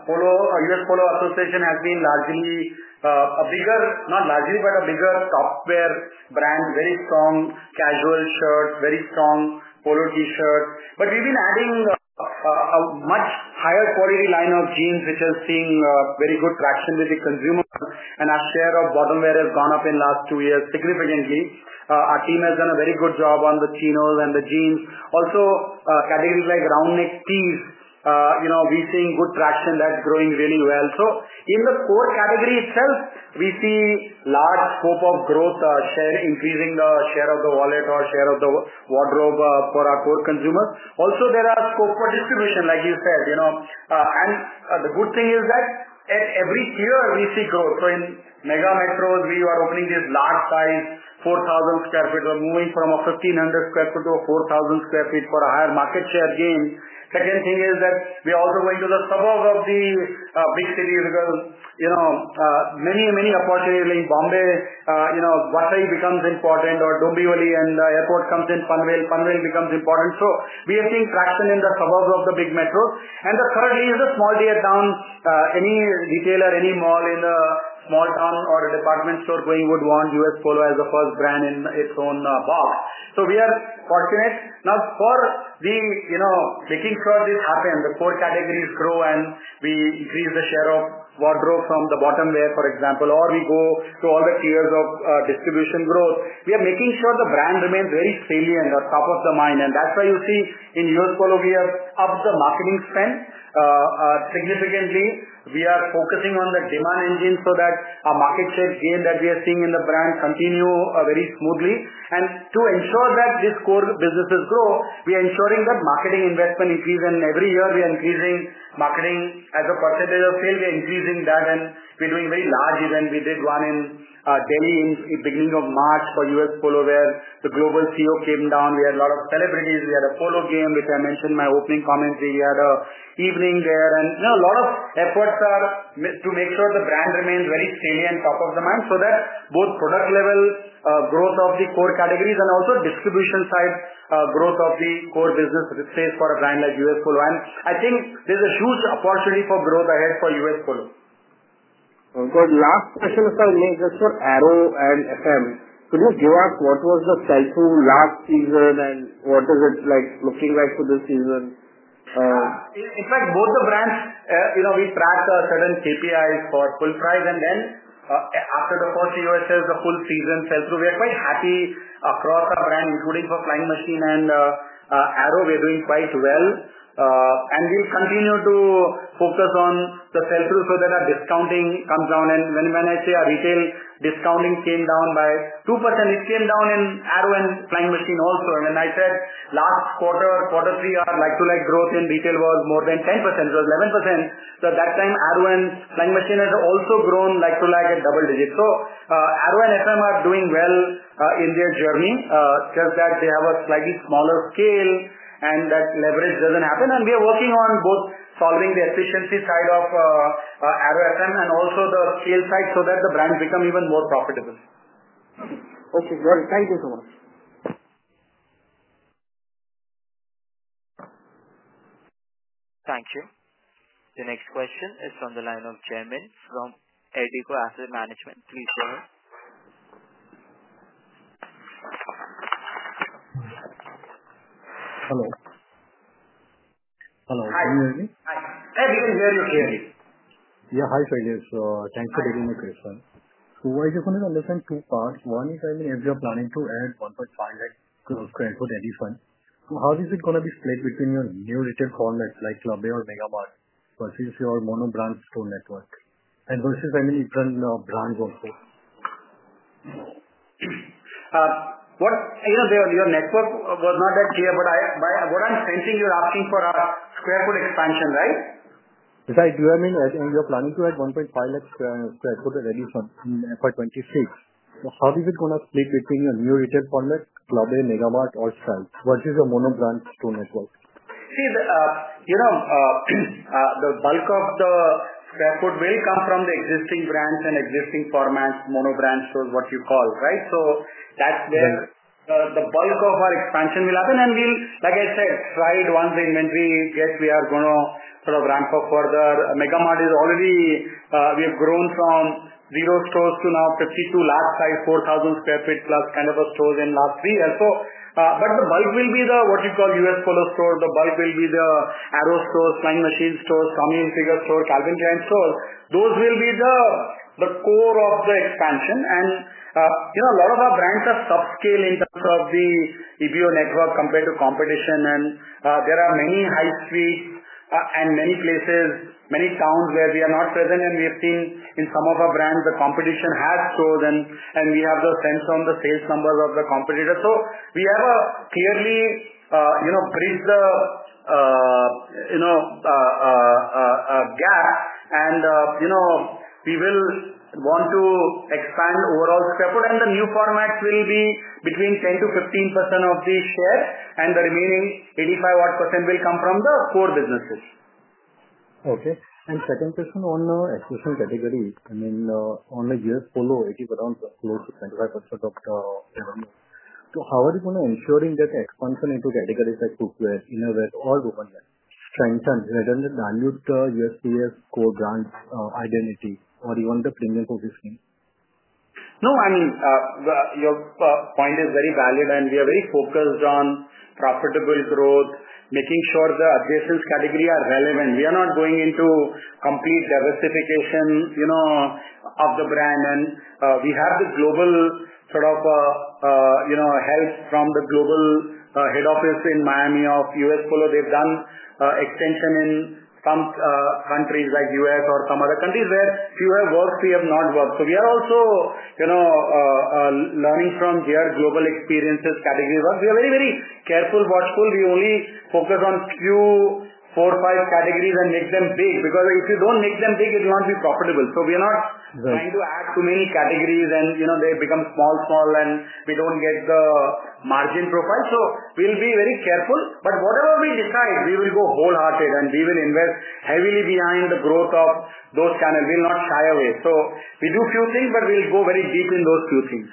US Polo Association has been a bigger—not largely, but a bigger top wear brand, very strong casual shirts, very strong polo T-shirts. We have been adding a much higher quality line of jeans which is seeing very good traction with the consumer. Our share of bottom wear has gone up in the last two years significantly. Our team has done a very good job on the chinos and the jeans. Also, categories like round-neck tees, we're seeing good traction. That's growing really well. In the core category itself, we see large scope of growth share, increasing the share of the wallet or share of the wardrobe for our core consumers. Also, there are scope for distribution, like you said. The good thing is that at every tier, we see growth. In mega metros, we are opening this large size 4,000 sq ft, moving from a 1,500 sq ft to a 4,000 sq ft for a higher market share gain. Second thing is that we're also going to the suburbs of the big cities because many, many opportunities like Bombay, Ghaziabad becomes important, or Dombivli and the airport comes in Pune, Pune becomes important. We are seeing traction in the suburbs of the big metros. The third is the small tier town. Any retailer, any mall in a small town or a department store going would want US Polo as the first brand in its own box. We are fortunate. Now, for making sure this happens, the core categories grow and we increase the share of wardrobe from the bottom wear, for example, or we go to all the tiers of distribution growth, we are making sure the brand remains very salient or top of the mind. That is why you see in US Polo, we have upped the marketing spend significantly. We are focusing on the demand engine so that our market share gain that we are seeing in the brand continues very smoothly. To ensure that these core businesses grow, we are ensuring that marketing investment increases. Every year, we are increasing marketing as a percentage of sale. We are increasing that, and we're doing very large events. We did one in Delhi in the beginning of March for US Polo Assn. wear. The global CEO came down. We had a lot of celebrities. We had a polo game, which I mentioned in my opening commentary. We had an evening there. A lot of efforts are to make sure the brand remains very salient, top of the mind so that both product level growth of the core categories and also distribution side growth of the core business stays for a brand like US Polo Assn. I think there's a huge opportunity for growth ahead for US Polo Assn. Got last question for me, just for Arrow and FM. Could you give us what was the sell-through last season and what is it looking like for this season? In fact, both the brands, we track certain KPIs for full price. After the first U.S. sells, the full season sell-through. We are quite happy across our brand, including for Flying Machine and Arrow, we are doing quite well. We will continue to focus on the sell-through so that our discounting comes down. When I say our retail discounting came down by 2%, it came down in Arrow and Flying Machine also. When I said last quarter or quarter three our like-to-like growth in retail was more than 10%, it was 11%. At that time, Arrow and Flying Machine had also grown like-to-like at double digits. Arrow and FM are doing well in their journey, just that they have a slightly smaller scale and that leverage does not happen. We are working on both solving the efficiency side of Arrow FM and also the scale side so that the brands become even more profitable. Okay. Got it. Thank you so much. Thank you. The next question is from the line of Jaymin from ARDEKO Asset Management. Please go ahead. Hello. Hello. Can you hear me? Hi. We can hear you clearly. Yeah. Hi, Shailesh. Thanks for taking my call, sir. I just wanted to understand two parts. One is, I mean, if you're planning to add 150,000 sq ft any fund, how is it going to be split between your new retail formats like Club A or Megamart versus your monobrand store network? And versus, I mean, different brands also? Your network was not that clear, but what I'm sensing, you're asking for a sq ft expansion, right? I do. I mean, you're planning to add 150,000 sq ft ready for 2026. How is it going to split between your new retail format, Club A, Megamart, or SKY versus your monobrand store network? See, the bulk of the sq ft will come from the existing brands and existing formats, monobrand stores, what you call, right? That is where the bulk of our expansion will happen. Like I said, try it once the inventory gets. We are going to sort of ramp up further. Megamart is already—we have grown from zero stores to now 52 lakh size, 4,000 sq ft plus kind of stores in the last three years. The bulk will be the, what you call, US Polo stores. The bulk will be the Arrow stores, Flying Machine stores, Tommy Hilfiger stores, Calvin Klein stores. Those will be the core of the expansion. A lot of our brands are subscale in terms of the EBO network compared to competition. There are many high streets and many places, many towns where we are not present. We have seen in some of our brands, the competition has stores, and we have the sense on the sales numbers of the competitor. We have clearly bridged the gap, and we will want to expand overall sq ft. The new formats will be between 10%-15% of the share, and the remaining 85% or what percent will come from the core businesses. Okay. Second question on the acquisition category. I mean, on the US Polo, it is around close to 25% of the revenue. How are you going to ensure that the expansion into categories like footwear, innerwear, or womanwear strengthens and values the USPA's core brand identity or even the premium position? No, I mean, your point is very valid, and we are very focused on profitable growth, making sure the adjacent category are relevant. We are not going into complete diversification of the brand. We have the global sort of help from the global head office in Miami of U.S. Polo they've done extension in some countries like the U.S. or some other countries where few have worked, few have not worked. We are also learning from their global experiences, category work. We are very, very careful, watchful. We only focus on a few, four, five categories and make them big because if you don't make them big, it will not be profitable. We are not trying to add too many categories, and they become small, small, and we do not get the margin profile. We will be very careful. Whatever we decide, we will go wholehearted, and we will invest heavily behind the growth of those channels. We will not shy away. We do a few things, but we will go very deep in those few things.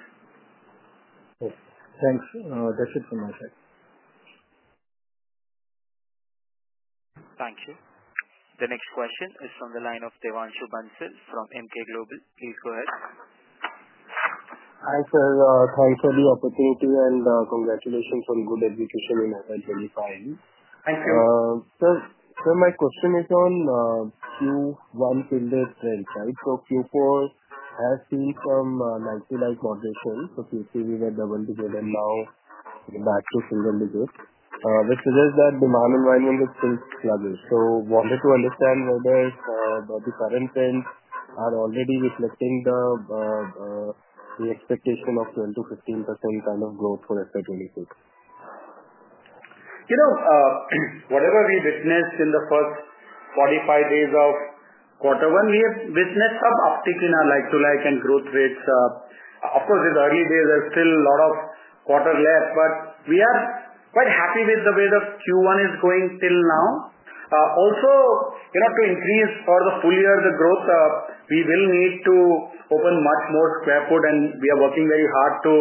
Thanks. That is it from my side. Thank you. The next question is from the line of Devanshu Bansal from Emkay Global. Please go ahead. Hi, sir. Thanks for the opportunity and congratulations on good execution in FY 2025. Thank you. Sir, my question is on Q1 till the 12th, right? Q4 has seen some 90-like moderation. Q3, we were double-digit, and now we are back to single digit, which suggests that the demand environment is still sluggish. I wanted to understand whether the current trends are already reflecting the expectation of 10%-15% kind of growth for FI26. Whatever we witnessed in the first 45 days of quarter one, we have witnessed some uptick in our like-to-like and growth rates. Of course, in the early days, there's still a lot of quarter left, but we are quite happy with the way the Q1 is going till now. Also, to increase for the full year, the growth, we will need to open much more sq ft, and we are working very hard to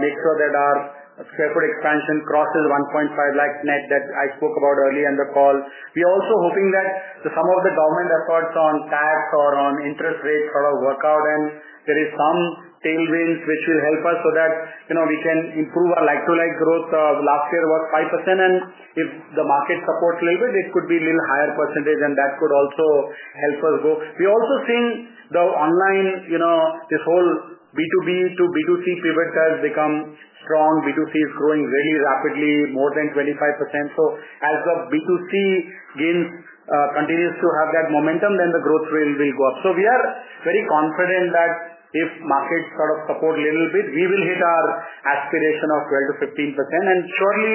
make sure that our sq ft expansion crosses 1.5 lakh net that I spoke about earlier in the call. We are also hoping that some of the government efforts on tax or on interest rates sort of work out, and there is some tailwinds which will help us so that we can improve our like-to-like growth. Last year was 5%, and if the market supports a little bit, it could be a little higher percentage, and that could also help us go. We are also seeing the online, this whole B2B to B2C pivot has become strong. B2C is growing really rapidly, more than 25%. As the B2C gains continue to have that momentum, the growth rate will go up. We are very confident that if markets sort of support a little bit, we will hit our aspiration of 12%-15% and surely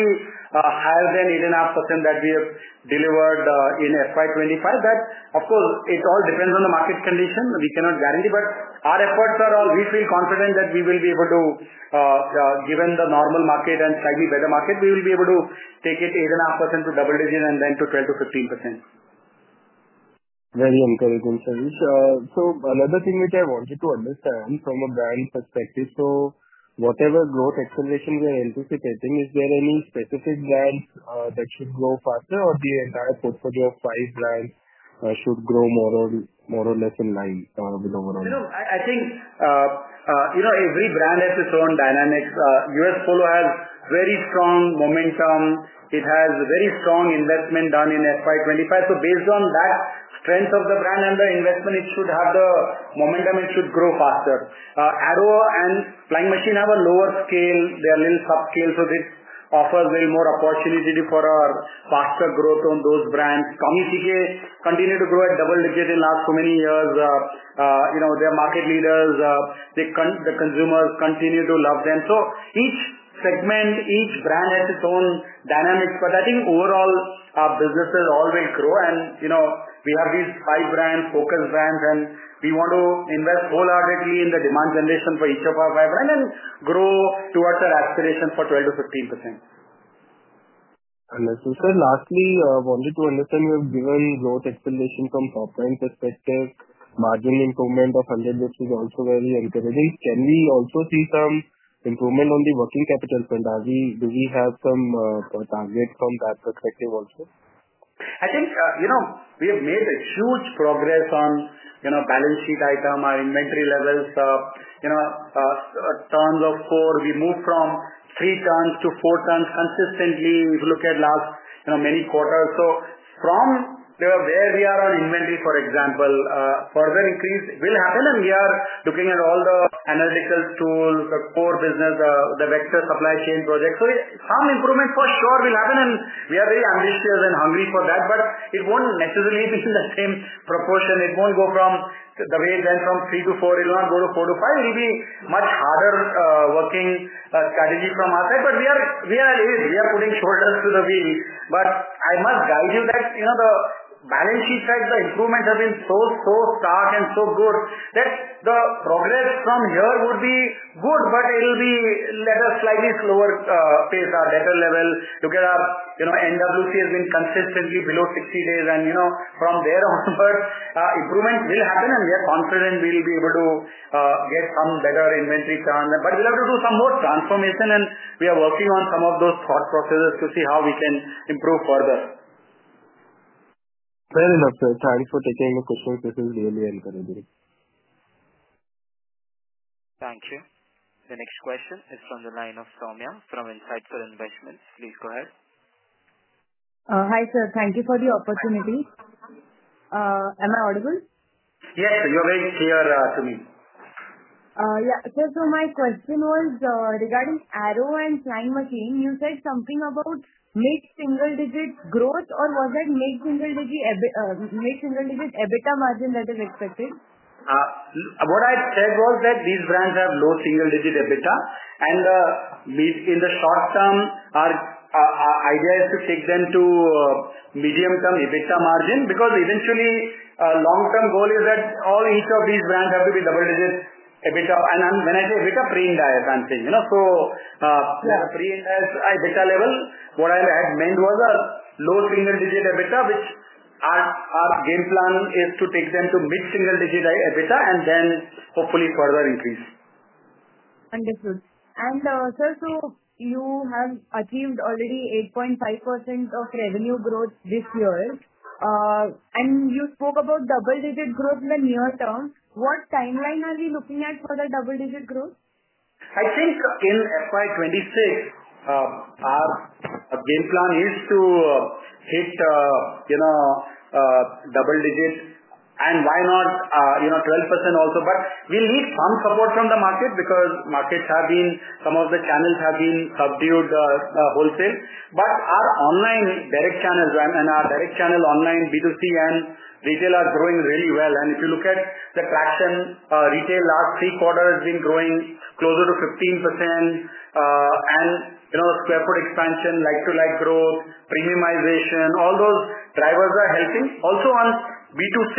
higher than 8.5% that we have delivered in FY 2025. That, of course, it all depends on the market condition. We cannot guarantee, but our efforts are all—we feel confident that we will be able to, given the normal market and slightly better market, we will be able to take it 8.5% to double digit and then to 12%-15%. Very encouraging, Sridhesh. Another thing which I wanted to understand from a brand perspective, whatever growth acceleration we are anticipating, is there any specific brands that should grow faster, or the entire portfolio of five brands should grow more or less in line with overall? I think every brand has its own dynamics. U.S. Polo has very strong momentum. It has very strong investment done in FY 2025. Based on that strength of the brand and the investment, it should have the momentum; it should grow faster. Arrow and Flying Machine have a lower scale. They are a little subscale, so this offers a little more opportunity for our faster growth on those brands. Tommy TK continued to grow at double digit in the last so many years. They are market leaders. The consumers continue to love them. Each segment, each brand has its own dynamics, but I think overall, our businesses all will grow. We have these five brands, focus brands, and we want to invest wholeheartedly in the demand generation for each of our five brands and grow towards our aspiration for 12%-15%. As you said, lastly, I wanted to understand, given growth acceleration from top-line perspective, margin improvement of 100 basis points is also very encouraging. Can we also see some improvement on the working capital fund? Do we have some target from that perspective also? I think we have made a huge progress on balance sheet item, our inventory levels, tons of four. We moved from three tons to four tons consistently if you look at many quarters. From where we are on inventory, for example, further increase will happen, and we are looking at all the analytical tools, the core business, the vector supply chain projects. Some improvement for sure will happen, and we are very ambitious and hungry for that, but it will not necessarily be in the same proportion. It will not go from the way it went from three to four. It will not go to four to five. It will be much harder working strategy from our side, but we are putting shoulders to the wheel. I must guide you that the balance sheet side, the improvements have been so, so stark and so good that the progress from here would be good, but it will be at a slightly slower pace or better level. Look at our NWC has been consistently below 60 days, and from there onwards, improvements will happen, and we are confident we'll be able to get some better inventory churn. We'll have to do some more transformation, and we are working on some of those thought processes to see how we can improve further. Very helpful. Thanks for taking the question. This is really encouraging. Thank you. The next question is from the line of Soumya from Insightful Investments. Please go ahead. Hi, sir. Thank you for the opportunity. Am I audible? Yes, sir. You are very clear to me. Yeah. Sir, so my question was regarding Arrow and Flying Machine. You said something about mid-single-digit growth, or was it mid-single-digit EBITDA margin that is expected? What I said was that these brands have low single digit EBITDA, and in the short term, our idea is to take them to medium-term EBITDA margin because eventually, long-term goal is that each of these brands have to be double-digit EBITDA. And when I say EBITDA, pre-indexed I am saying. So pre-indexed EBITDA level, what I had meant was a low single digit EBITDA, which our game plan is to take them to mid-single-digit EBITDA and then hopefully further increase. Wonderful. Sir, you have achieved already 8.5% of revenue growth this year, and you spoke about double-digit growth in the near term. What timeline are we looking at for the double-digit growth? I think in FY 2026, our game plan is to hit double digit and why not 12% also. We will need some support from the market because markets have been, some of the channels have been subdued wholesale. Our online direct channels and our direct channel online B2C and retail are growing really well. If you look at the traction, retail last three quarters has been growing closer to 15%, and the sq ft expansion, like-to-like growth, premiumization, all those drivers are helping. Also, on B2C,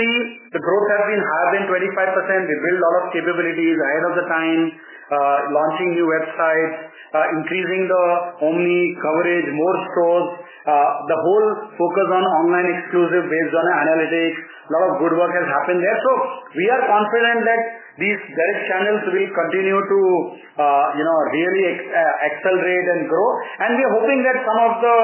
the growth has been higher than 25%. We have built a lot of capabilities ahead of the time, launching new websites, increasing the Omni coverage, more stores. The whole focus on online exclusive based on analytics, a lot of good work has happened there. We are confident that these direct channels will continue to really accelerate and grow. We are hoping that some of the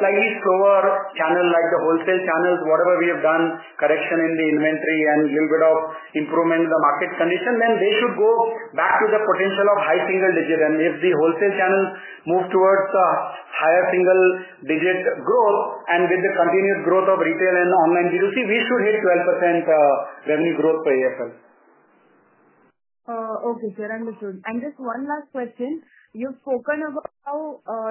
slightly slower channels like the wholesale channels, whatever we have done, correction in the inventory and a little bit of improvement in the market condition, they should go back to the potential of high single digit. If the wholesale channels move towards higher single digit growth and with the continued growth of retail and online B2C, we should hit 12% revenue growth per year. Okay, sir. Understood. Just one last question. You've spoken about how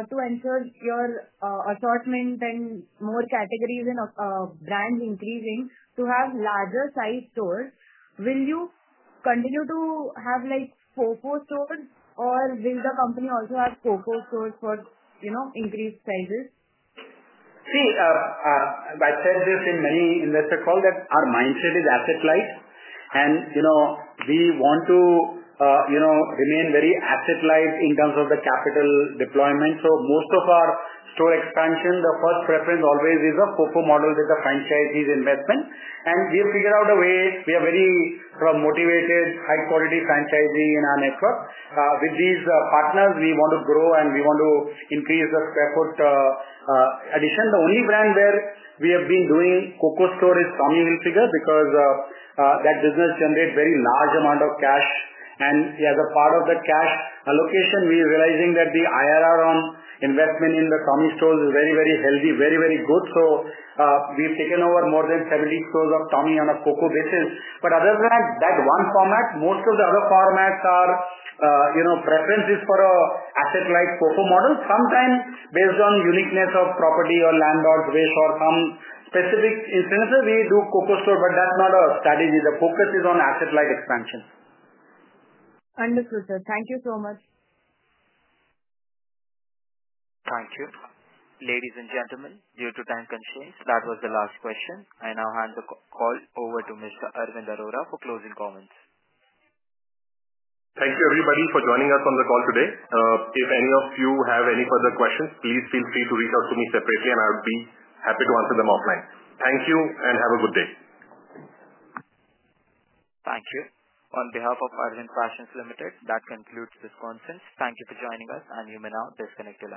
to ensure your assortment and more categories and brands increasing to have larger-sized stores. Will you continue to have FOFO stores, or will the company also have FOFO stores for increased sizes? See, I said this in many investor calls that our mindset is asset-light, and we want to remain very asset-light in terms of the capital deployment. Most of our store expansion, the first preference always is a FOFO model with a franchisee's investment. We have figured out a way. We are very motivated, high-quality franchisee in our network. With these partners, we want to grow, and we want to increase the sq ft addition. The only brand where we have been doing FOFO stores is Tommy Hilfiger because that business generates a very large amount of cash. As a part of the cash allocation, we are realizing that the IRR on investment in the Tommy stores is very, very healthy, very, very good. We have taken over more than 70 stores of Tommy on a FOFO basis. Other than that one format, most of the other formats are preferences for an asset-light FOFO model. Sometimes, based on the uniqueness of property or landlord's wish or some specific incidences, we do FOFO stores, but that's not our strategy. The focus is on asset-light expansion. Wonderful, sir. Thank you so much. Thank you. Ladies and gentlemen, due to time constraints, that was the last question. I now hand the call over to Mr. Ankit Arora for closing comments. Thank you, everybody, for joining us on the call today. If any of you have any further questions, please feel free to reach out to me separately, and I'll be happy to answer them offline. Thank you, and have a good day. Thank you. On behalf of Arvind Fashions Limited, that concludes this conference. Thank you for joining us, and you may now disconnect the call.